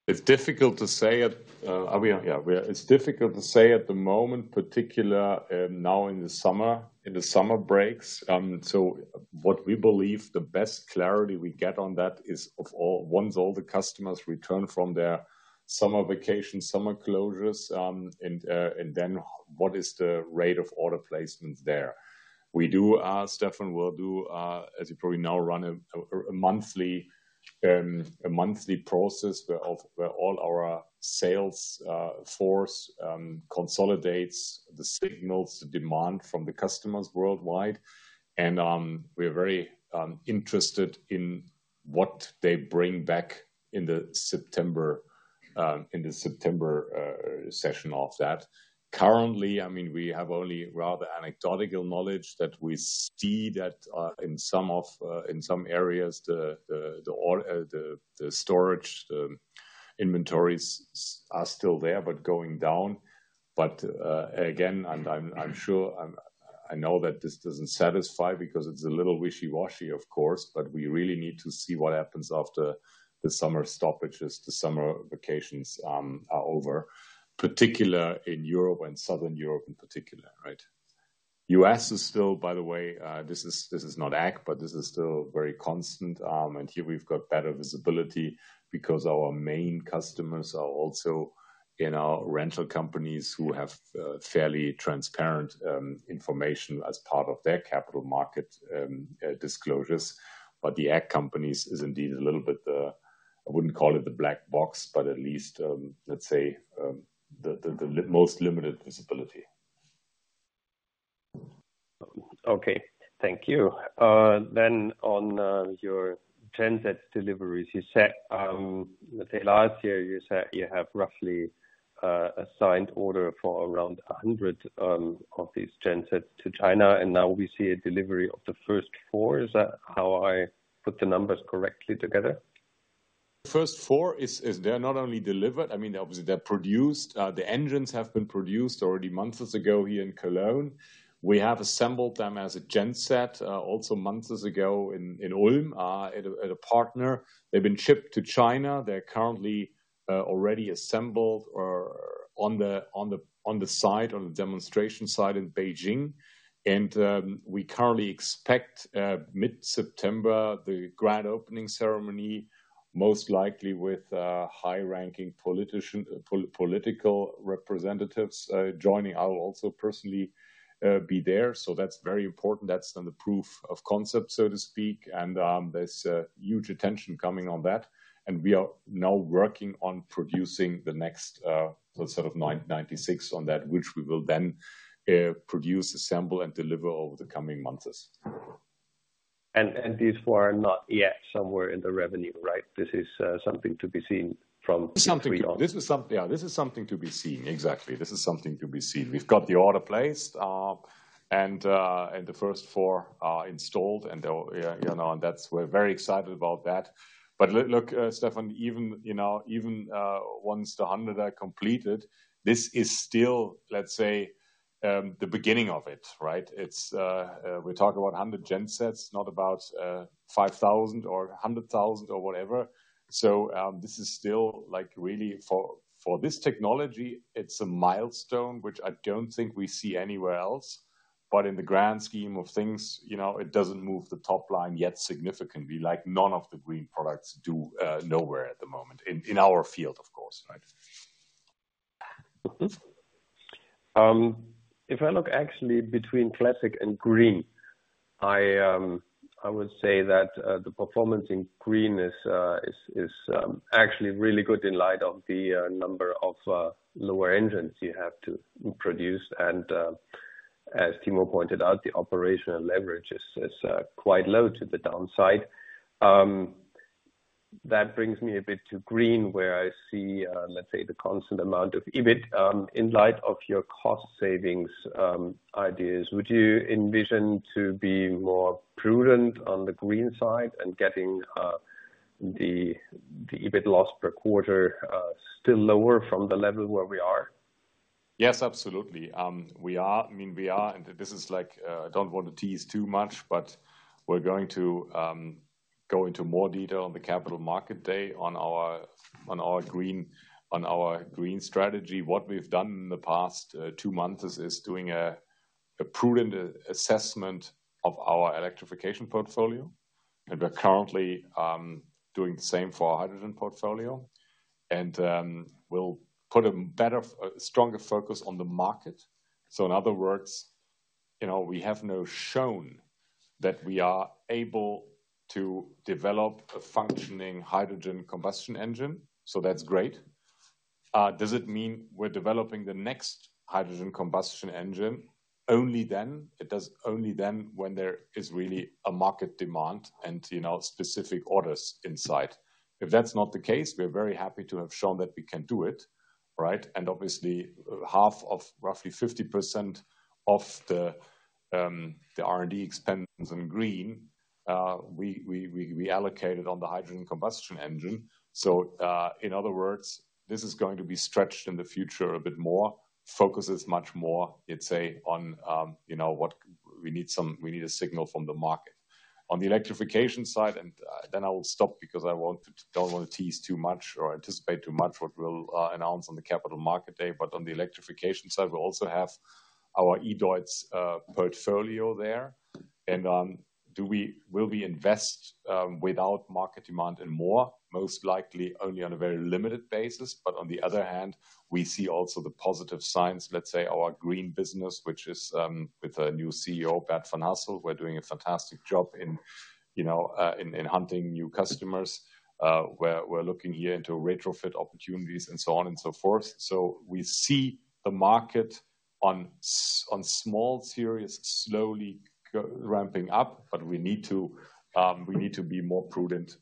It's difficult to say at the moment. Are we on? Yeah, we are. It's difficult to say at the moment, particularly now in the summer, in the summer breaks. So what we believe the best clarity we get on that is overall, once all the customers return from their summer vacation, summer closures, and then what is the rate of order placement there? We do, Stefan, we'll do, as you probably know, run a monthly process where all our sales force consolidates the signals, the demand from the customers worldwide. And we are very interested in what they bring back in the September session of that. Currently, I mean, we have only rather anecdotal knowledge that we see that in some areas, the storage, the inventories are still there, but going down. But again, I'm sure, I know that this doesn't satisfy because it's a little wishy-washy, of course, but we really need to see what happens after the summer stoppages, the summer vacations are over, particularly in Europe and Southern Europe in particular, right? The U.S. is still, by the way, this is not ag, but this is still very constant. And here we've got better visibility because our main customers are also in our rental companies who have fairly transparent information as part of their capital market disclosures. But the ag companies is indeed a little bit. I wouldn't call it the black box, but at least, let's say, the most limited visibility.
Okay. Thank you. Then on your genset deliveries, you said, let's say last year, you said you have roughly a signed order for around 100 of these gensets to China, and now we see a delivery of the first 4. Is that how I put the numbers correctly together?
...The first 4 is they're not only delivered, I mean, obviously, they're produced. The engines have been produced already months ago here in Cologne. We have assembled them as a genset also months ago in Ulm at a partner. They've been shipped to China. They're currently already assembled or on the site, on the demonstration site in Beijing. And we currently expect mid-September, the grand opening ceremony, most likely with high-ranking political representatives joining. I will also personally be there, so that's very important. That's then the proof of concept, so to speak. And there's a huge attention coming on that, and we are now working on producing the next sort of 996 on that, which we will then produce, assemble, and deliver over the coming months.
And these four are not yet somewhere in the revenue, right? This is something to be seen from Q3 on.
This is something, yeah, this is something to be seen. Exactly. This is something to be seen. We've got the order placed, and the first 4 are installed, and they're, you know, and that's. We're very excited about that. But look, Stefan, even, you know, even, once the 100 are completed, this is still, let's say, the beginning of it, right? It's, we talk about 100 gensets, not about, 5,000 or 100,000 or whatever. So, this is still, like, really for this technology, it's a milestone, which I don't think we see anywhere else. But in the grand scheme of things, you know, it doesn't move the top line yet significantly, like none of the Green products do, nowhere at the moment, in our field, of course, right?
If I look actually between Classic and Green, I would say that the performance in Green is actually really good in light of the number of lower engines you have to produce. And as Timo pointed out, the operational leverage is quite low to the downside. That brings me a bit to Green, where I see, let's say, the constant amount of EBIT. In light of your cost savings ideas, would you envision to be more prudent on the Green side and getting the EBIT loss per quarter still lower from the level where we are?
Yes, absolutely. We are, I mean, we are, and this is like, I don't want to tease too much, but we're going to go into more detail on the Capital Markets Day on our, on our Green, on our Green strategy. What we've done in the past two months is, is doing a, a prudent assessment of our electrification portfolio, and we're currently doing the same for our hydrogen portfolio, and we'll put a better, stronger focus on the market. So in other words, you know, we have now shown that we are able to develop a functioning hydrogen combustion engine, so that's great. Does it mean we're developing the next hydrogen combustion engine? Only then, it does only then when there is really a market demand and, you know, specific orders in sight. If that's not the case, we're very happy to have shown that we can do it, right? And obviously, half of roughly 50% of the R&D expense in Green, we allocate it on the hydrogen combustion engine. So, in other words, this is going to be stretched in the future a bit more. Focus is much more, let's say, on, you know, what we need a signal from the market. On the electrification side, and then I will stop because I want to don't want to tease too much or anticipate too much what we'll announce on the Capital Markets Day. But on the electrification side, we also have our E-DEUTZ portfolio there. And, will we invest without market demand and more? Most likely, only on a very limited basis. But on the other hand, we see also the positive signs, let's say, our Green business, which is, with a new CEO, Bert van Hasselt, we're doing a fantastic job in, you know, in hunting new customers. We're looking here into retrofit opportunities and so on and so forth. So we see the market on small series slowly go, ramping up, but we need to, we need to be more prudent,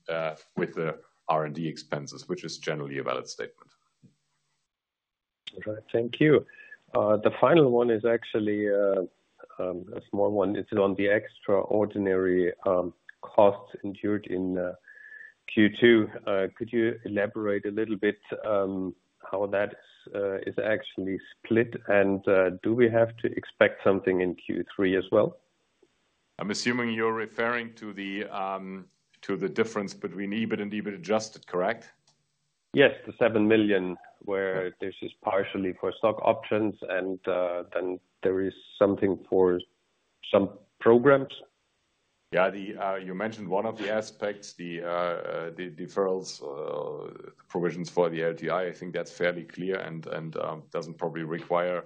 with the R&D expenses, which is generally a valid statement.
All right. Thank you. The final one is actually a small one. It's on the extraordinary costs incurred in Q2. Could you elaborate a little bit how that's actually split? And do we have to expect something in Q3 as well?
I'm assuming you're referring to the difference between EBIT and EBIT adjusted, correct?
Yes, the 7 million, where this is partially for stock options, and then there is something for some programs.
Yeah, you mentioned one of the aspects, the deferrals, provisions for the LTI. I think that's fairly clear and, and, doesn't probably require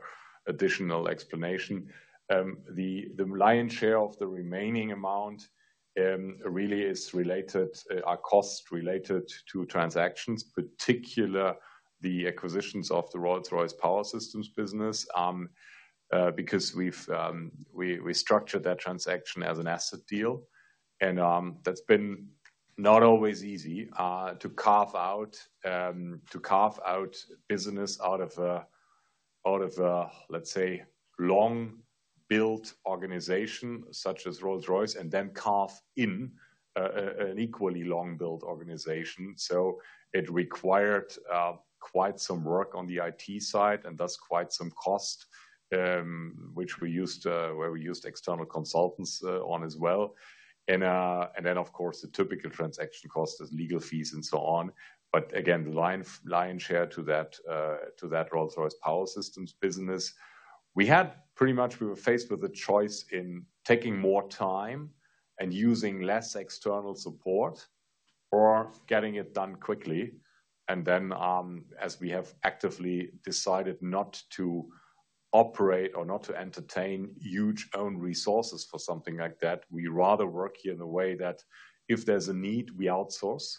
additional explanation. The lion's share of the remaining amount really is related, are costs related to transactions, particular the acquisitions of the Rolls-Royce Power Systems business. Because we've, we structured that transaction as an asset deal, and, that's been not always easy to carve out, to carve out business out of a- out of a, let's say, long-built organization, such as Rolls-Royce, and then carve in an equally long-built organization. So it required quite some work on the IT side, and thus quite some cost, which we used, where we used external consultants on as well. Then, of course, the typical transaction costs as legal fees and so on. But again, the lion's share to that, to that Rolls-Royce Power Systems business. We had pretty much, we were faced with a choice in taking more time and using less external support, or getting it done quickly. And then, as we have actively decided not to operate or not to entertain huge own resources for something like that, we rather work in a way that if there's a need, we outsource.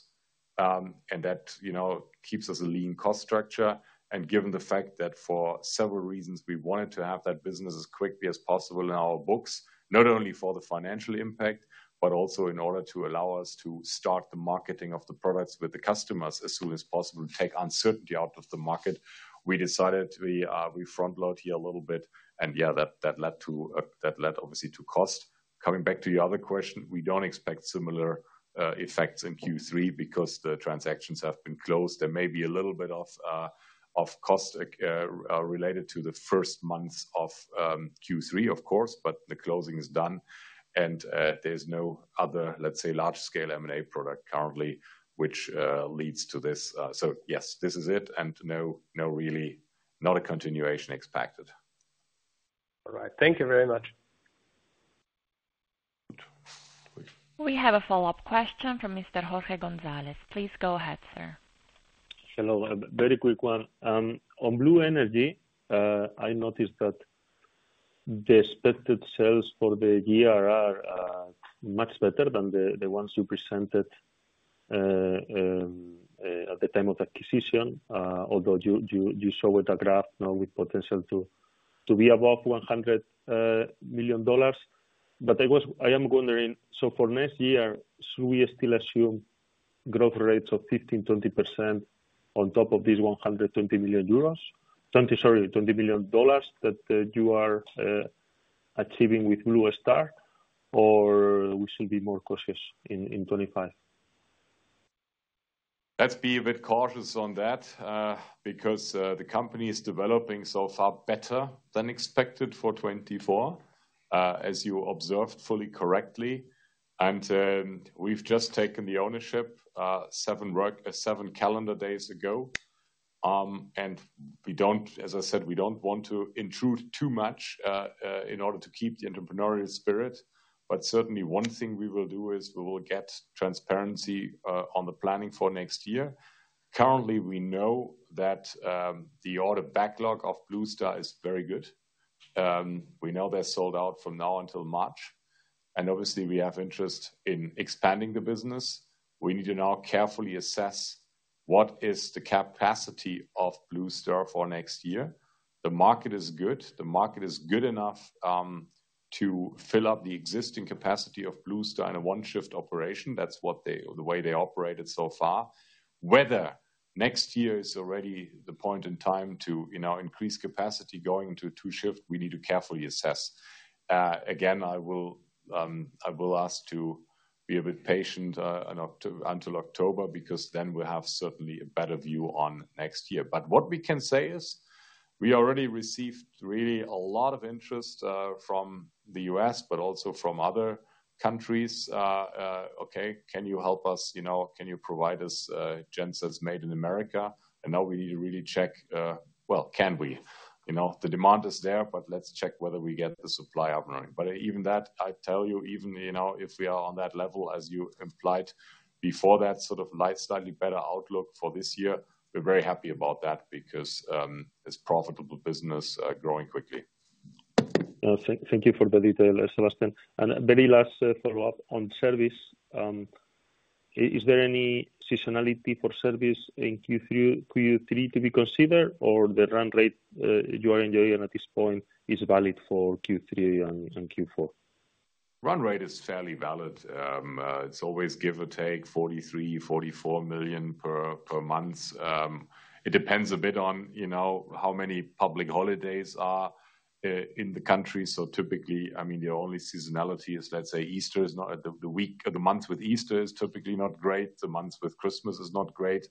And that, you know, keeps us a lean cost structure. Given the fact that for several reasons, we wanted to have that business as quickly as possible in our books, not only for the financial impact, but also in order to allow us to start the marketing of the products with the customers as soon as possible, take uncertainty out of the market. We decided we, we front load here a little bit, and, yeah, that, that led to, that led obviously to cost. Coming back to your other question, we don't expect similar effects in Q3 because the transactions have been closed. There may be a little bit of, of cost related to the first months of Q3, of course, but the closing is done, and, there's no other, let's say, large-scale M&A project currently, which, leads to this. Yes, this is it, and no, no, really, not a continuation expected.
All right. Thank you very much.
We have a follow-up question from Mr. Jorge González. Please go ahead, sir.
Hello. A very quick one. On Blue Star, I noticed that the expected sales for the year are much better than the ones you presented at the time of acquisition, although you show with a graph now with potential to be above $100 million. But I was, I am wondering, so for next year, should we still assume growth rates of 15%-20% on top of these one hundred and twenty million euros? Twenty, sorry, twenty million dollars, that you are achieving with Blue Star, or we should be more cautious in 2025?
Let's be a bit cautious on that, because the company is developing so far better than expected for 2024, as you observed fully correctly. We've just taken the ownership 7 calendar days ago. And we don't, as I said, we don't want to intrude too much in order to keep the entrepreneurial spirit. But certainly, one thing we will do is we will get transparency on the planning for next year. Currently, we know that the order backlog of Blue Star is very good. We know they're sold out from now until March, and obviously, we have interest in expanding the business. We need to now carefully assess what is the capacity of Blue Star for next year. The market is good. The market is good enough to fill up the existing capacity of Blue Star in a one-shift operation. That's what they - the way they operated so far. Whether next year is already the point in time to, you know, increase capacity going to two-shift, we need to carefully assess. Again, I will ask to be a bit patient until October, because then we'll have certainly a better view on next year. But what we can say is, we already received really a lot of interest from the U.S., but also from other countries. "Okay, can you help us? You know, can you provide us gensets made in America?" And now we need to really check, well, can we? You know, the demand is there, but let's check whether we get the supply up and running. But even that, I tell you, even, you know, if we are on that level, as you implied before, that sort of light, slightly better outlook for this year, we're very happy about that because, it's profitable business, growing quickly.
Thank you for the detail, Sebastian. A very last follow-up on service. Is there any seasonality for service in Q3, Q3 to be considered, or the run rate you are enjoying at this point is valid for Q3 and Q4?
Run rate is fairly valid. It's always give or take 43-44 million per month. It depends a bit on, you know, how many public holidays are in the country. So typically, I mean, the only seasonality is, let's say, Easter is not. The week, the month with Easter is typically not great. The months with Christmas is not great.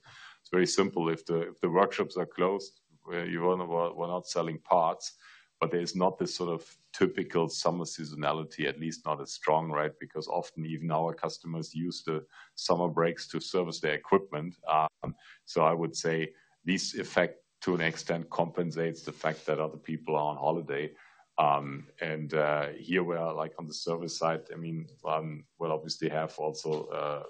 It's very simple. If the workshops are closed, you wanna, we're not selling parts, but there's not this sort of typical summer seasonality, at least not as strong, right? Because often, even our customers use the summer breaks to service their equipment. So I would say this effect, to an extent, compensates the fact that other people are on holiday. And here we are, like, on the service side, I mean, we'll obviously have also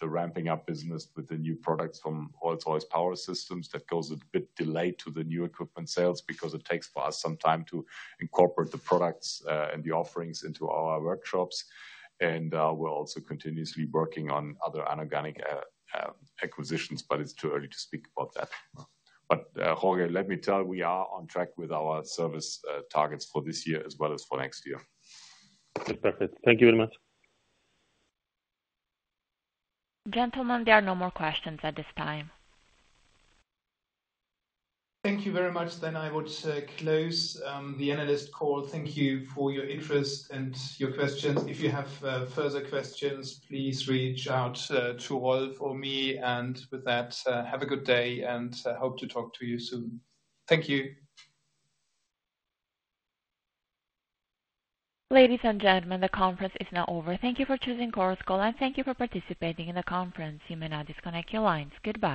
the ramping up business with the new products from Rolls-Royce Power Systems. That goes a bit delayed to the new equipment sales because it takes us some time to incorporate the products and the offerings into our workshops. We're also continuously working on other inorganic acquisitions, but it's too early to speak about that. But Jorge, let me tell, we are on track with our service targets for this year as well as for next year.
That's perfect. Thank you very much.
Gentlemen, there are no more questions at this time.
Thank you very much, then I would close the analyst call. Thank you for your interest and your questions. If you have further questions, please reach out to Rolf or me, and with that, have a good day, and hope to talk to you soon. Thank you.
Ladies and gentlemen, the conference is now over. Thank you for choosing Chorus Call, and thank you for participating in the conference. You may now disconnect your lines. Goodbye.